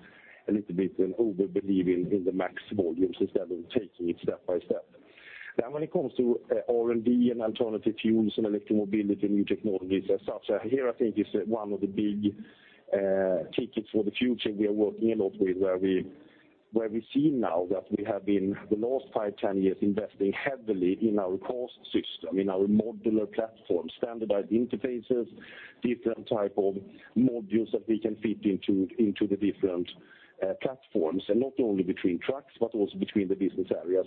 a little bit an over-belief in the max volumes instead of taking it step by step. When it comes to R&D and alternative fuels and electromobility, new technologies as such, here I think is one of the big tickets for the future we are working a lot with, where we see now that we have been the last five, 10 years investing heavily in our cost system, in our modular platform, standardized interfaces, different type of modules that we can fit into the different platforms, and not only between trucks but also between the business areas.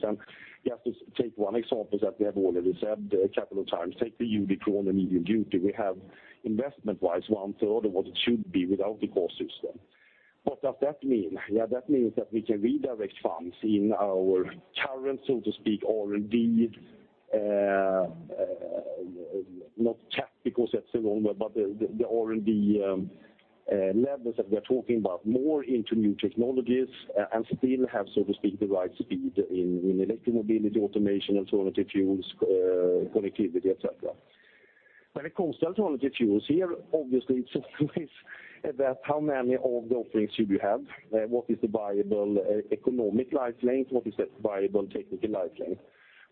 Just to take one example that we have already said a couple of times, take the UD Croner, the medium duty. We have, investment-wise, one third of what it should be without the cost system. What does that mean? Yeah, that means that we can redirect funds in our current, so to speak, R&D, not cap because that's the wrong word, but the R&D levels that we are talking about more into new technologies and still have, so to speak, the right speed in electromobility, automation, alternative fuels, connectivity, et cetera. When it comes to alternative fuels here, obviously it's always about how many of the offerings should we have? What is the viable economic life length? What is the viable technical life length?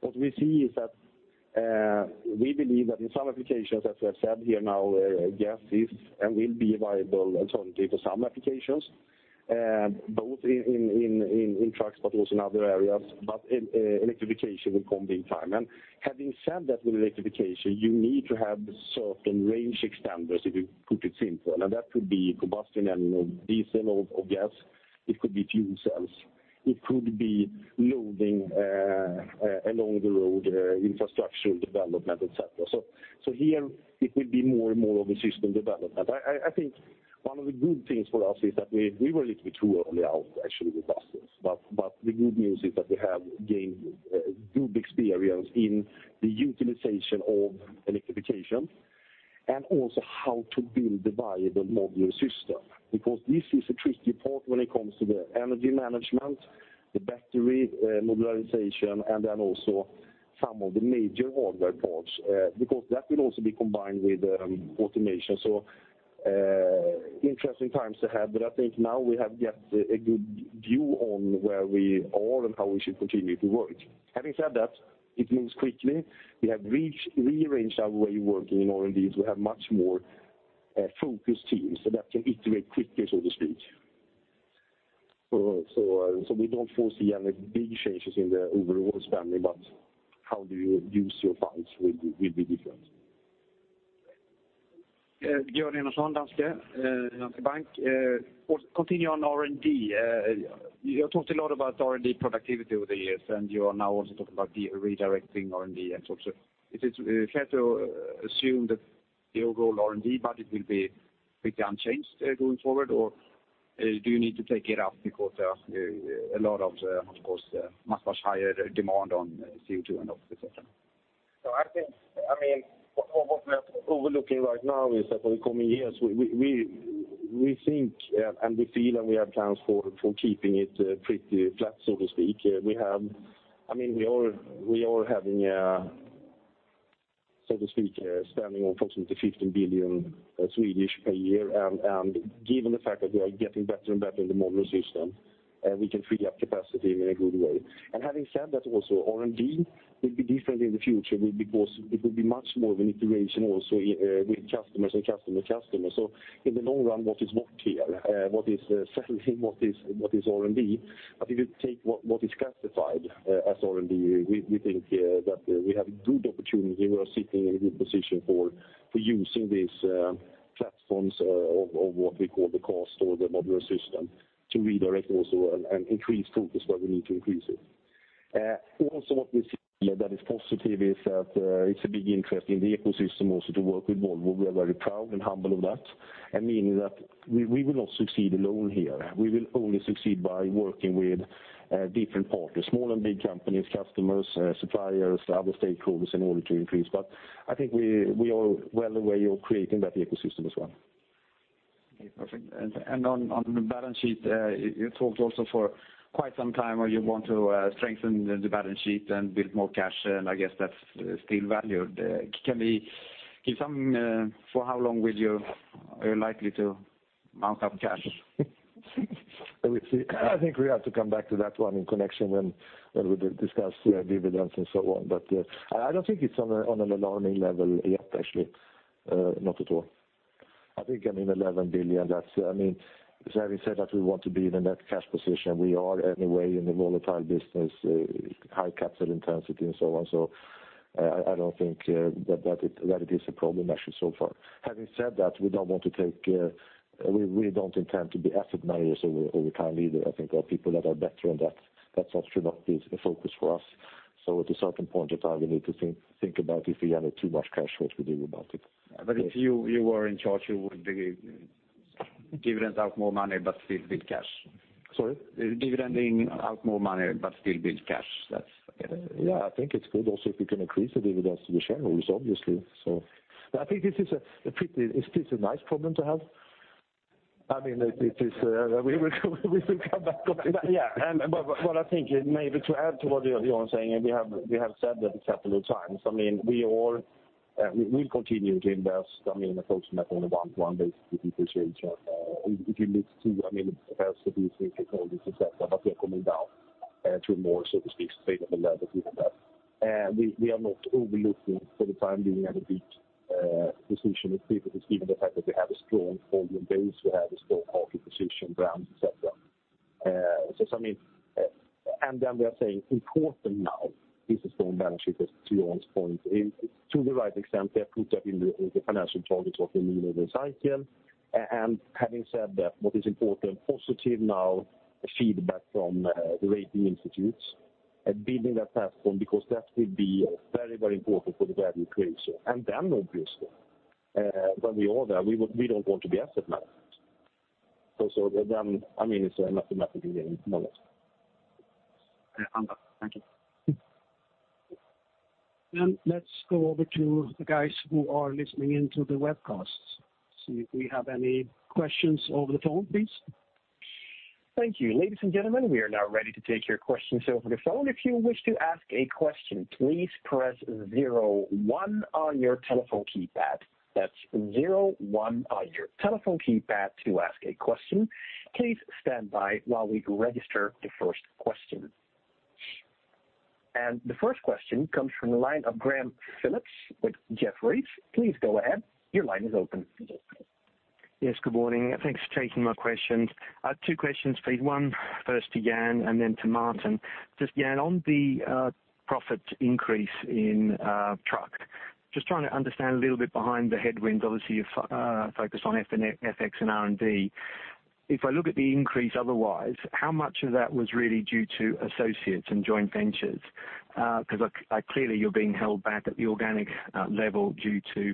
What we see is that we believe that in some applications, as we have said here now, gas is and will be a viable alternative for some applications, both in trucks but also in other areas. Electrification will come in time. Having said that, with electrification, you need to have certain range extenders, if you put it simply. That could be combustion and diesel or gas. It could be fuel cells. It could be loading along the road, infrastructure development, et cetera. Here it will be more and more of a system development. I think one of the good things for us is that we were a little bit too early out, actually, with buses. The good news is that we have gained good experience in the utilization of electrification and also how to build a viable modular system because this is a tricky part when it comes to the energy management, the battery modularization, and then also some of the major hardware parts because that will also be combined with automation. Interesting times ahead, but I think now we have got a good view on where we are and how we should continue to work. Having said that, it means quickly, we have rearranged our way of working in R&D, we have much more focused teams so that can iterate quickly, so to speak. We don't foresee any big changes in the overall spending, but how do you use your funds will be different. Björn Enarson, Danske Bank. Continue on R&D. You have talked a lot about R&D productivity over the years, you are now also talking about redirecting R&D and so on. Is it fair to assume that the overall R&D budget will be pretty unchanged going forward, or do you need to take it up because a lot of course, much, much higher demand on CO2 and et cetera? I think what we are overlooking right now is that for the coming years, we think and we feel and we have plans for keeping it pretty flat, so to speak. We are having, so to speak, spending approximately 15 billion a year, given the fact that we are getting better and better in the modular system, we can free up capacity in a good way. Having said that, also, R&D will be different in the future because it will be much more of an iteration also with customers. In the long run, what is what here? What is selling? What is R&D? I think if you take what is classified as R&D, we think that we have a good opportunity. We are sitting in a good position for using these platforms of what we call the cost system or the modular system to redirect also and increase focus where we need to increase it. What we see that is positive is that it's a big interest in the ecosystem also to work with Volvo. We are very proud and humble of that, meaning that we will not succeed alone here. We will only succeed by working with different partners, small and big companies, customers, suppliers, other stakeholders in order to increase. I think we are well aware of creating that ecosystem as well. Okay, perfect. On the balance sheet, you talked also for quite some time how you want to strengthen the balance sheet and build more cash. I guess that's still valid. Can you give something for how long you are likely to mount up cash? We'll see. I think we have to come back to that one in connection when we discuss dividends and so on. I don't think it's on an alarming level yet, actually. Not at all. I think, I mean 11 billion. Having said that we want to be in a net cash position, we are anyway in a volatile business, high capital intensity and so on. I don't think that it is a problem actually so far. Having said that, we really don't intend to be asset managers over time either. I think there are people that are better on that. That should not be the focus for us. At a certain point of time, we need to think about if we have too much cash, what we do about it. If you were in charge, you would be dividending out more money, but still build cash. Sorry? Dividending out more money, but still build cash. That's okay. I think it's good also if we can increase the dividends to the shareholders, obviously. I think this is a nice problem to have. I mean, we will come back on it. What I think maybe to add to what Jan's saying, and we have said that several times. We'll continue to invest, approaching that on a one-to-one basis, depreciation. If you look too, it has to be three technologies, et cetera, but we are coming down to more, so to speak, sustainable levels even that. We are not overlooking for the time being any big decision with people, given the fact that we have a strong volume base, we have a strong market position, brands, et cetera. Then we are saying important now is a strong balance sheet, as to Jan's point. To the right extent, we have put that in the financial targets of the new business cycle. Having said that, what is important, positive now feedback from the rating institutes and building that platform because that will be very important for the value creation. Then obviously, when we are there, we don't want to be asset managers. Then, it's a mathematical game onwards. Under. Thank you. Let's go over to the guys who are listening in to the webcasts. See if we have any questions over the phone, please. Thank you. Ladies and gentlemen, we are now ready to take your questions over the phone. If you wish to ask a question, please press zero one on your telephone keypad. That's zero one on your telephone keypad to ask a question. Please stand by while we register the first question. The first question comes from the line of Graham Phillips with Jefferies. Please go ahead. Your line is open. Yes, good morning. Thanks for taking my questions. Two questions, please. One first to Jan and then to Martin. Just Jan, on the profit increase in truck. Just trying to understand a little bit behind the headwinds, obviously you're focused on FX and R&D. If I look at the increase otherwise, how much of that was really due to associates and joint ventures? Because clearly you're being held back at the organic level due to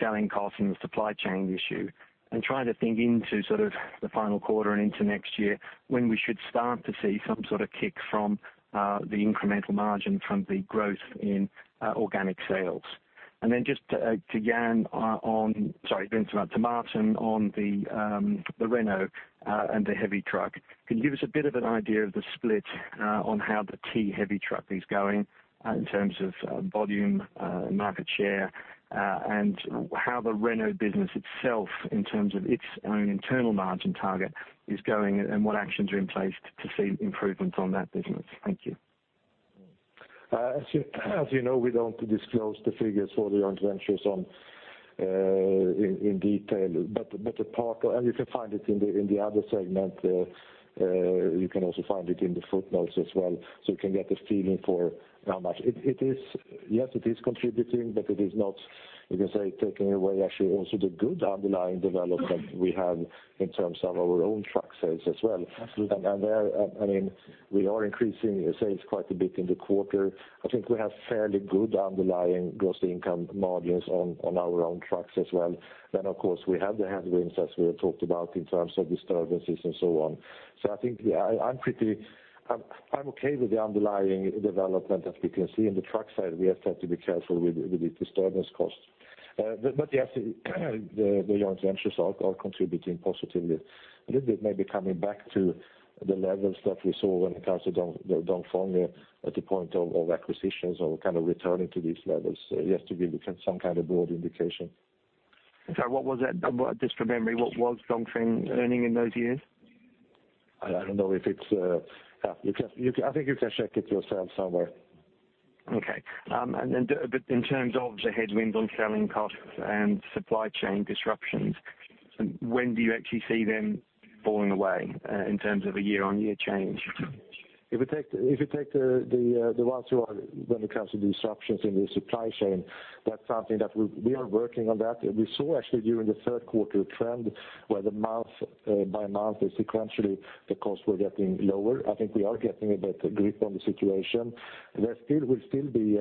selling costs and the supply chain issue. I'm trying to think into sort of the final quarter and into next year when we should start to see some sort of kick from the incremental margin from the growth in organic sales. Then just to Martin on the Renault, and the heavy truck. Can you give us a bit of an idea of the split on how the T heavy truck is going in terms of volume, market share, and how the Renault business itself in terms of its own internal margin target is going, and what actions are in place to see improvements on that business? Thank you. As you know, we don't disclose the figures for the joint ventures in detail. You can find it in the other segment. You can also find it in the footnotes as well, so you can get a feeling for how much. Yes, it is contributing, but it is not, you can say, taking away actually also the good underlying development we have in terms of our own truck sales as well. Absolutely. There, we are increasing sales quite a bit in the quarter. I think we have fairly good underlying gross income margins on our own trucks as well. Of course, we have the headwinds as we have talked about in terms of disturbances and so on. I think I'm okay with the underlying development that we can see in the truck side. We have had to be careful with the disturbance costs. Yes, the joint ventures are contributing positively. A little bit maybe coming back to the levels that we saw when it comes to Dongfeng at the point of acquisitions or kind of returning to these levels. Just to give you some kind of broad indication. Sorry, what was that? Just from memory, what was Dongfeng earning in those years? I don't know. I think you can check it yourself somewhere. In terms of the headwinds on selling costs and supply chain disruptions, when do you actually see them falling away in terms of a year-on-year change? If you take the ones who are, when it comes to disruptions in the supply chain, that's something that we are working on that. We saw actually during the third quarter trend, where the month by month sequentially, the costs were getting lower. I think we are getting a better grip on the situation. There still will still be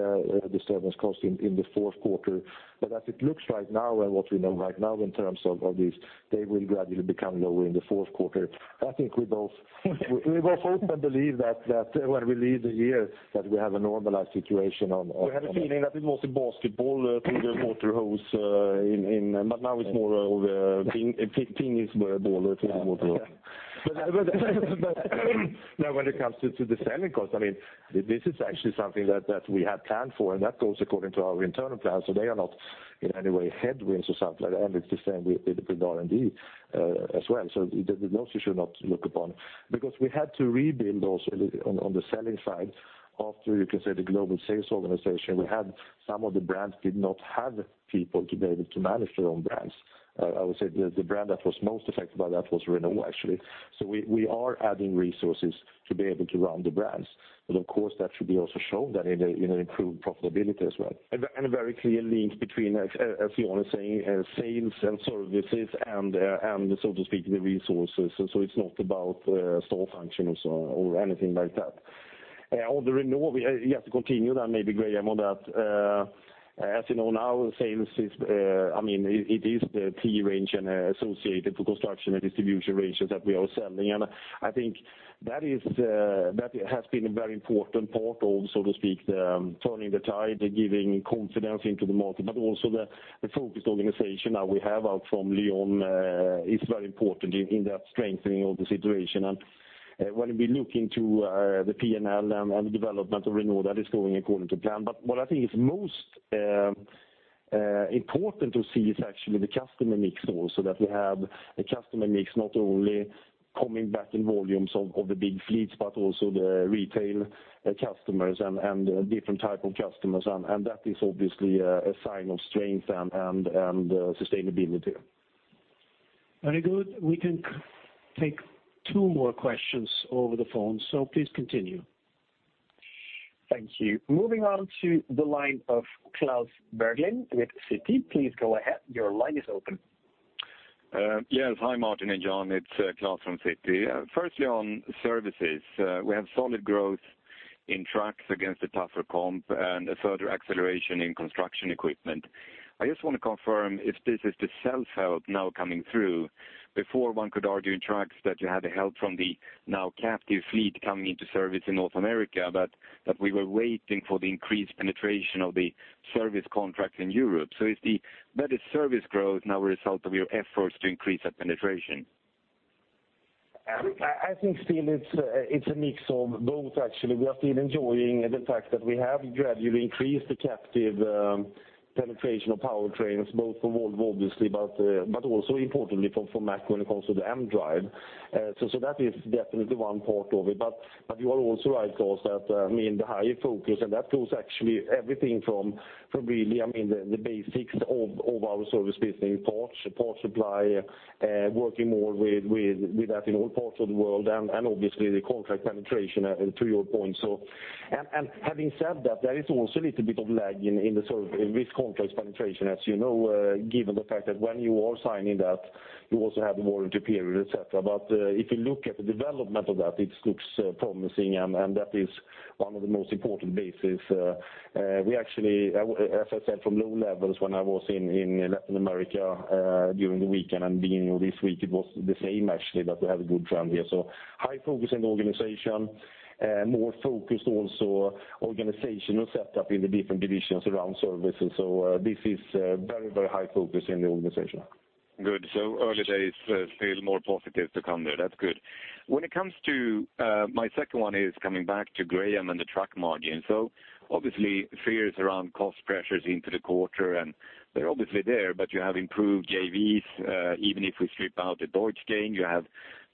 disturbance costs in the fourth quarter. As it looks right now and what we know right now in terms of these, they will gradually become lower in the fourth quarter. I think we both hope and believe that when we leave the year, that we have a normalized situation on- We had a feeling that it was a basketball through the water hose, but now it's more of a tennis ball through the water hose. When it comes to the selling cost, this is actually something that we had planned for, and that goes according to our internal plan. They are not in any way headwinds or something like that. It's the same with R&D as well. Those you should not look upon, because we had to rebuild also on the selling side after, you can say, the global sales organization we had, some of the brands did not have people to be able to manage their own brands. I would say the brand that was most affected by that was Renault, actually. We are adding resources to be able to run the brands. Of course, that should be also shown that in an improved profitability as well. A very clear link between, as Lyon is saying, sales and services and, so to speak, the resources. It's not about store functions or anything like that. On the Renault, you have to continue that maybe, Graham, on that. As you know now, sales is the T-Range and associated to construction and distribution ranges that we are selling. I think that has been a very important part of, so to speak, turning the tide, giving confidence into the market, but also the focused organization that we have out from Leon is very important in that strengthening of the situation. When we look into the P&L and the development of Renault, that is going according to plan. What I think is most important to see is actually the customer mix also, that we have a customer mix, not only coming back in volumes of the big fleets, but also the retail customers and different type of customers, that is obviously a sign of strength and sustainability. Very good. We can take two more questions over the phone, please continue. Thank you. Moving on to the line of Claus Berling with Citi. Please go ahead. Your line is open. Yes. Hi, Martin and Jan. It's Claus from Citi. Firstly, on services, we have solid growth in trucks against a tougher comp and a further acceleration in construction equipment. I just want to confirm if this is the self-help now coming through. Before, one could argue in trucks that you had the help from the now captive fleet coming into service in North America, but that we were waiting for the increased penetration of the service contracts in Europe. Is that service growth now a result of your efforts to increase that penetration? I think still it's a mix of both, actually. We are still enjoying the fact that we have gradually increased the captive penetration of powertrains, both for Volvo, obviously, but also importantly for Mack when it comes to the mDRIVE. That is definitely one part of it. You are also right, Claus, that the higher focus, and that goes actually everything from really the basics of our service business, parts supply, working more with that in all parts of the world, and obviously the contract penetration, to your point. Having said that, there is also a little bit of lag in the service with contract penetration, as you know given the fact that when you are signing that, you also have the warranty period, et cetera. If you look at the development of that, it looks promising, and that is one of the most important bases. We actually, as I said, from low levels when I was in Latin America during the weekend and beginning of this week, it was the same actually, but we have a good trend here. High focus in the organization, more focused also organizational set up in the different divisions around services. This is very high focus in the organization. Good. Early days, still more positive to come there. That's good. My second one is coming back to Graham and the truck margin. Obviously fears around cost pressures into the quarter, and they're obviously there, but you have improved JVs even if we strip out the Deutz gain, you have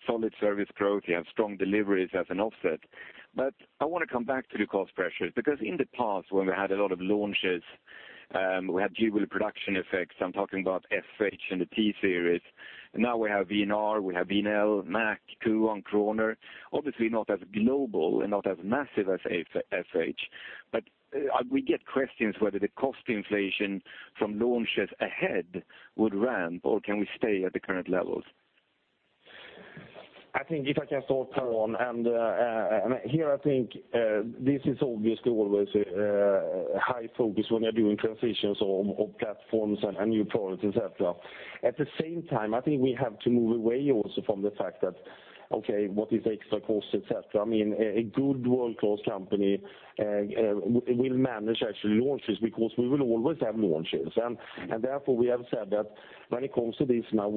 solid service growth, you have strong deliveries as an offset. I want to come back to the cost pressures, because in the past, when we had a lot of launches, we had jagged production effects. I'm talking about FH and the T-Series. Now we have VNR, we have VNL, Mack, Quon, and Croner. Obviously not as global and not as massive as FH. We get questions whether the cost inflation from launches ahead would ramp or can we stay at the current levels? I think if I can start, Graham, here I think this is obviously always a high focus when you're doing transitions of platforms and new products, et cetera. At the same time, I think we have to move away also from the fact that, okay, what is the extra cost, et cetera? A good world-class company will manage actually launches because we will always have launches. Therefore we have said that when it comes to this now,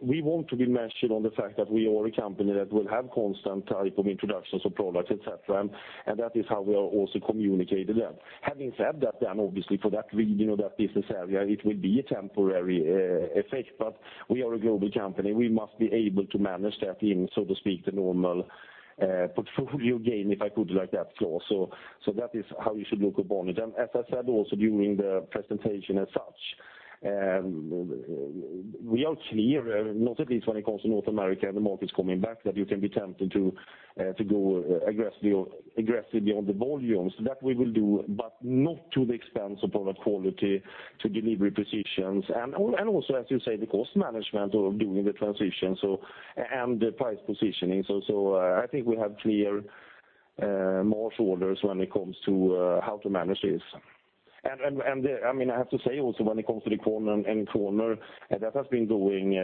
we want to be measured on the fact that we are a company that will have constant type of introductions of products, et cetera, and that is how we are also communicating that. Having said that, obviously for that business area, it will be a temporary effect. We are a global company. We must be able to manage that in, so to speak, the normal portfolio gain, if I put it like that, Claus. That is how you should look upon it. As I said also during the presentation as such, we are clear, not at least when it comes to North America and the markets coming back, that you can be tempted to go aggressively on the volumes. That we will do, but not to the expense of product quality, to delivery positions, and also, as you say, the cost management of doing the transition, and the price positioning. I think we have clear marching orders when it comes to how to manage this. I have to say also when it comes to the Quon and Croner, that has been going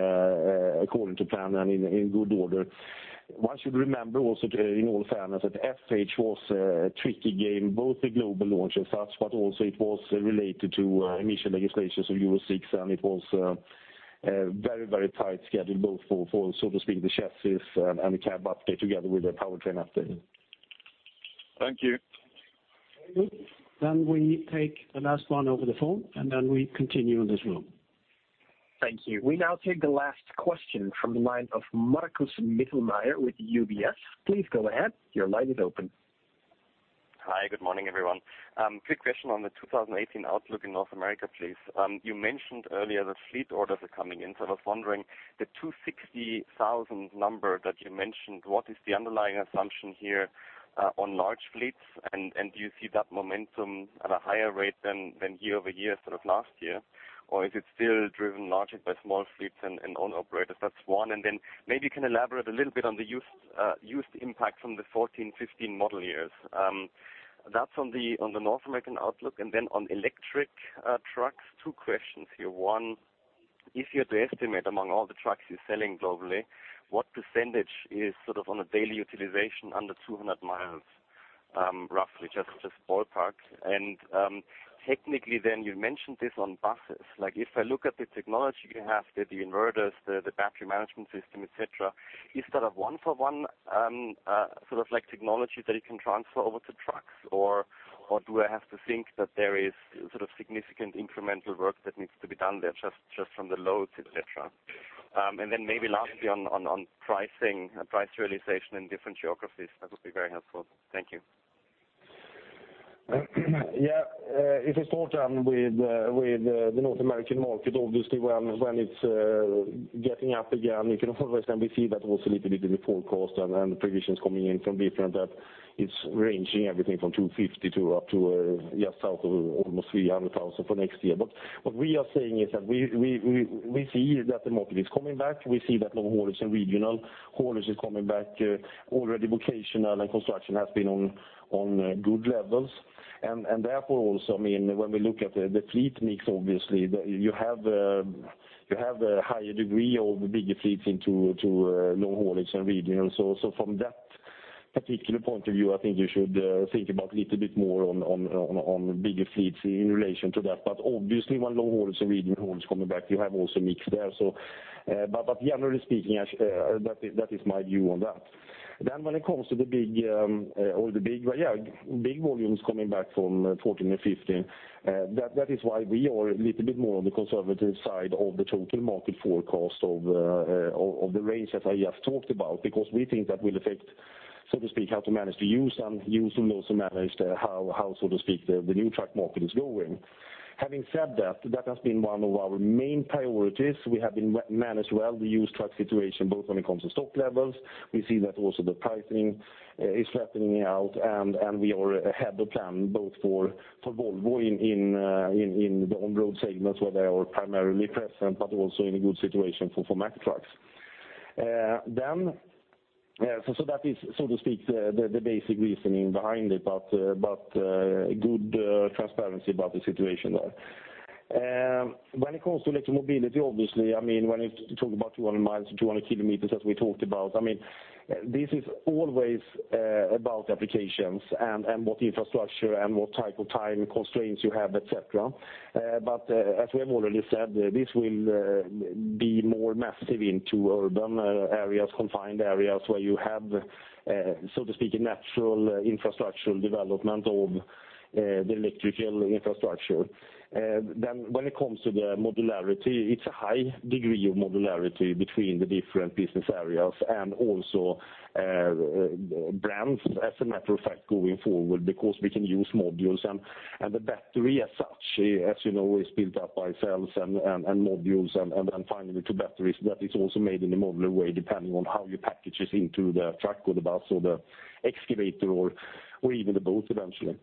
according to plan and in good order. One should remember also in all fairness that FH was a tricky game, both the global launch as such, also it was related to initial legislations of Euro 6, it was a very tight schedule both for, so to speak, the chassis and the cab update together with the powertrain update. Thank you. Very good. We take the last one over the phone, then we continue in this room. Thank you. We now take the last question from the line of Markus Mittermaier with UBS. Please go ahead. Your line is open. Hi. Good morning, everyone. Quick question on the 2018 outlook in North America, please. You mentioned earlier that fleet orders are coming in, I was wondering the 260,000 number that you mentioned, what is the underlying assumption here on large fleets? Do you see that momentum at a higher rate than year-over-year sort of last year? Or is it still driven largely by small fleets and own operators? That's one, maybe you can elaborate a little bit on the used impact from the 2014, 2015 model years. That's on the North American outlook, on electric trucks, two questions here. One, if you had to estimate among all the trucks you're selling globally, what percentage is sort of on a daily utilization under 200 miles, roughly, just ballpark? Technically, you mentioned this on buses. If I look at the technology you have, the inverters, the battery management system, et cetera, is that a one for one sort of technology that you can transfer over to trucks? Or do I have to think that there is significant incremental work that needs to be done there just from the loads, et cetera? Maybe lastly on pricing, price realization in different geographies, that would be very helpful. Thank you. Yeah. If I start with the North American market, obviously when it's getting up again, you can always then we see that also little bit in the forecast and the provisions coming in from different, that it's ranging everything from 250 to up to just south of almost 300,000 for next year. What we are saying is that we see that the market is coming back. We see that long haulage and regional haulage is coming back. Already vocational and construction has been on good levels. Therefore also, when we look at the fleet mix, obviously, you have a higher degree of bigger fleets into long haulage and regional. From that particular point of view, I think you should think about a little bit more on bigger fleets in relation to that. Obviously when long haulage and regional haulage is coming back, you have also mix there. Generally speaking, that is my view on that. When it comes to the big volumes coming back from 2014 and 2015, that is why we are a little bit more on the conservative side of the total market forecast of the range, as I just talked about, because we think that will affect, so to speak, how to manage the used and used will also manage how, so to speak, the new truck market is going. Having said that has been one of our main priorities. We have managed well the used truck situation, both when it comes to stock levels. We see that also the pricing is flattening out, and we are ahead of plan both for Volvo in the on-road segments where they are primarily present, but also in a good situation for Mack Trucks. That is, so to speak, the basic reasoning behind it, but good transparency about the situation there. When it comes to electric mobility, obviously, when you talk about 200 miles, 200 kilometers, as we talked about, this is always about applications and what infrastructure and what type of time constraints you have, et cetera. As we have already said, this will be more massive into urban areas, confined areas where you have, so to speak, a natural infrastructural development of the electrical infrastructure. When it comes to the modularity, it's a high degree of modularity between the different business areas and also brands as a matter of fact, going forward, because we can use modules, and the battery as such, as you know, is built up by cells and modules and then finally to batteries. That is also made in a modular way, depending on how you package it into the truck or the bus or the excavator or even the boat eventually.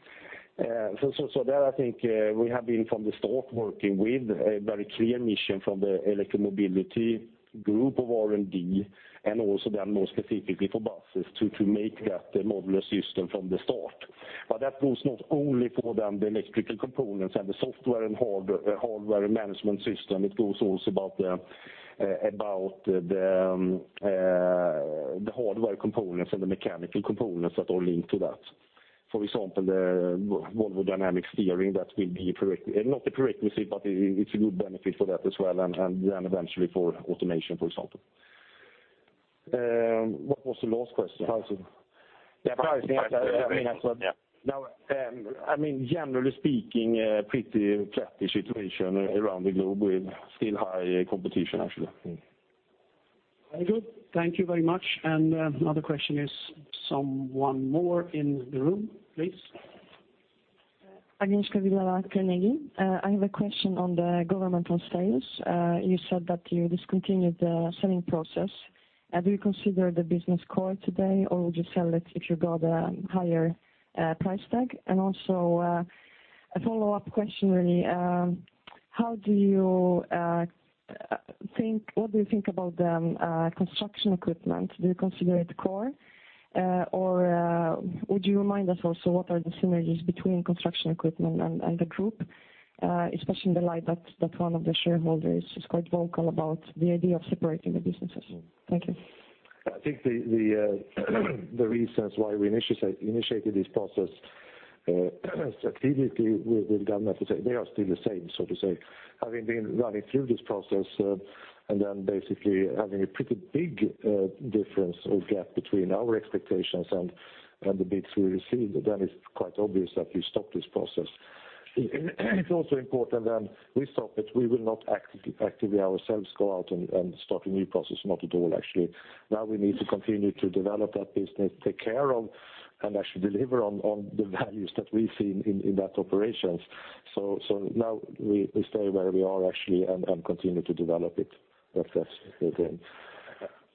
There, I think we have been from the start working with a very clear mission from the electromobility group of R&D, and also then more specifically for buses to make that a modular system from the start. That goes not only for then the electrical components and the software and hardware management system, it goes also about the hardware components and the mechanical components that are linked to that. For example, the Volvo Dynamic Steering, that will be, not a prerequisite, but it's a good benefit for that as well, and then eventually for automation, for example. What was the last question? Pricing. Pricing. Yeah, pricing. Generally speaking, pretty flat-ish situation around the globe with still high competition, actually. Very good. Thank you very much. Another question is someone more in the room, please. Agnieszka Wyrowa, Carnegie. I have a question on the governmental sales. You said that you discontinued the selling process. Do you consider the business core today, or would you sell it if you got a higher price tag? Also, a follow-up question really. What do you think about the construction equipment? Do you consider it core? Would you remind us also what are the synergies between construction equipment and the group? Especially in the light that one of the shareholders is quite vocal about the idea of separating the businesses. Thank you. I think the reasons why we initiated this process actively with government, they are still the same, so to say. Having been running through this process, basically having a pretty big difference or gap between our expectations and the bids we received, it's quite obvious that we stop this process. It's also important that we stop it. We will not actively ourselves go out and start a new process. Not at all, actually. Now we need to continue to develop that business, take care of, and actually deliver on the values that we've seen in that operations. Now we stay where we are actually and continue to develop it. That's the thing.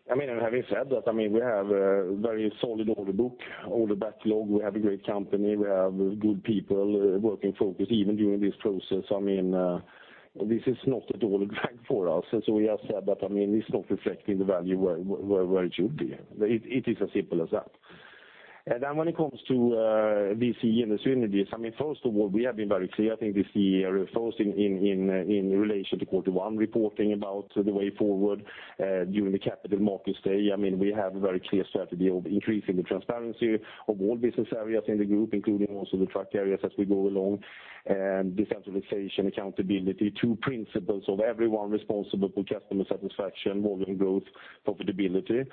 Having said that, we have a very solid order book, order backlog. We have a great company. We have good people working focus even during this process. This is not at all a drag for us. As we have said that, it's not reflecting the value where it should be. It is as simple as that. When it comes to VC and the synergies, first of all, we have been very clear, I think this year, first in relation to quarter 1 reporting about the way forward during the capital markets day. We have a very clear strategy of increasing the transparency of all business areas in the group, including also the truck areas as we go along. Decentralization, accountability, two principles of everyone responsible for customer satisfaction, volume growth, profitability.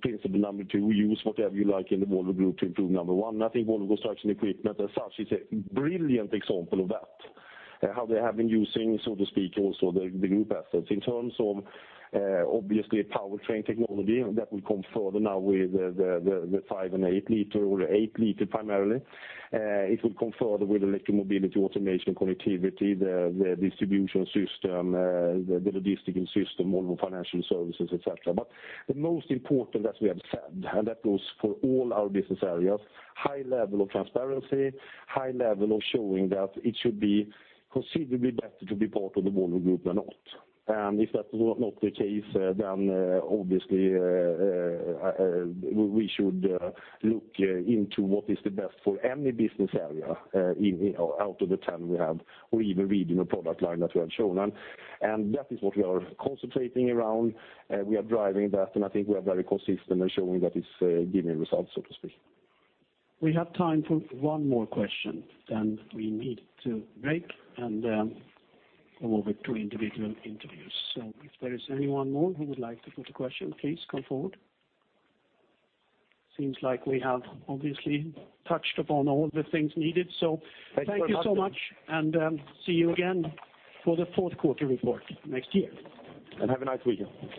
Principle number 2, use whatever you like in the Volvo Group to improve number 1. I think Volvo Construction Equipment as such is a brilliant example of that. How they have been using, so to speak, also the group assets. In terms of, obviously, powertrain technology that will come further now with the five and eight liter, or eight liter primarily. It will come further with electric mobility, automation, connectivity, the distribution system, the logistical system, Volvo Financial Services, et cetera. The most important, as we have said, and that goes for all our business areas, high level of transparency, high level of showing that it should be considerably better to be part of the Volvo Group than not. If that's not the case, obviously, we should look into what is the best for any business area out of the 10 we have or even within a product line that we have shown. That is what we are concentrating around. We are driving that, and I think we are very consistent in showing that it's giving results, so to speak. We have time for one more question, then we need to break and go over to individual interviews. If there is anyone more who would like to put a question, please come forward. Seems like we have obviously touched upon all the things needed. Thank you so much, and see you again for the fourth quarter report next year. Have a nice weekend.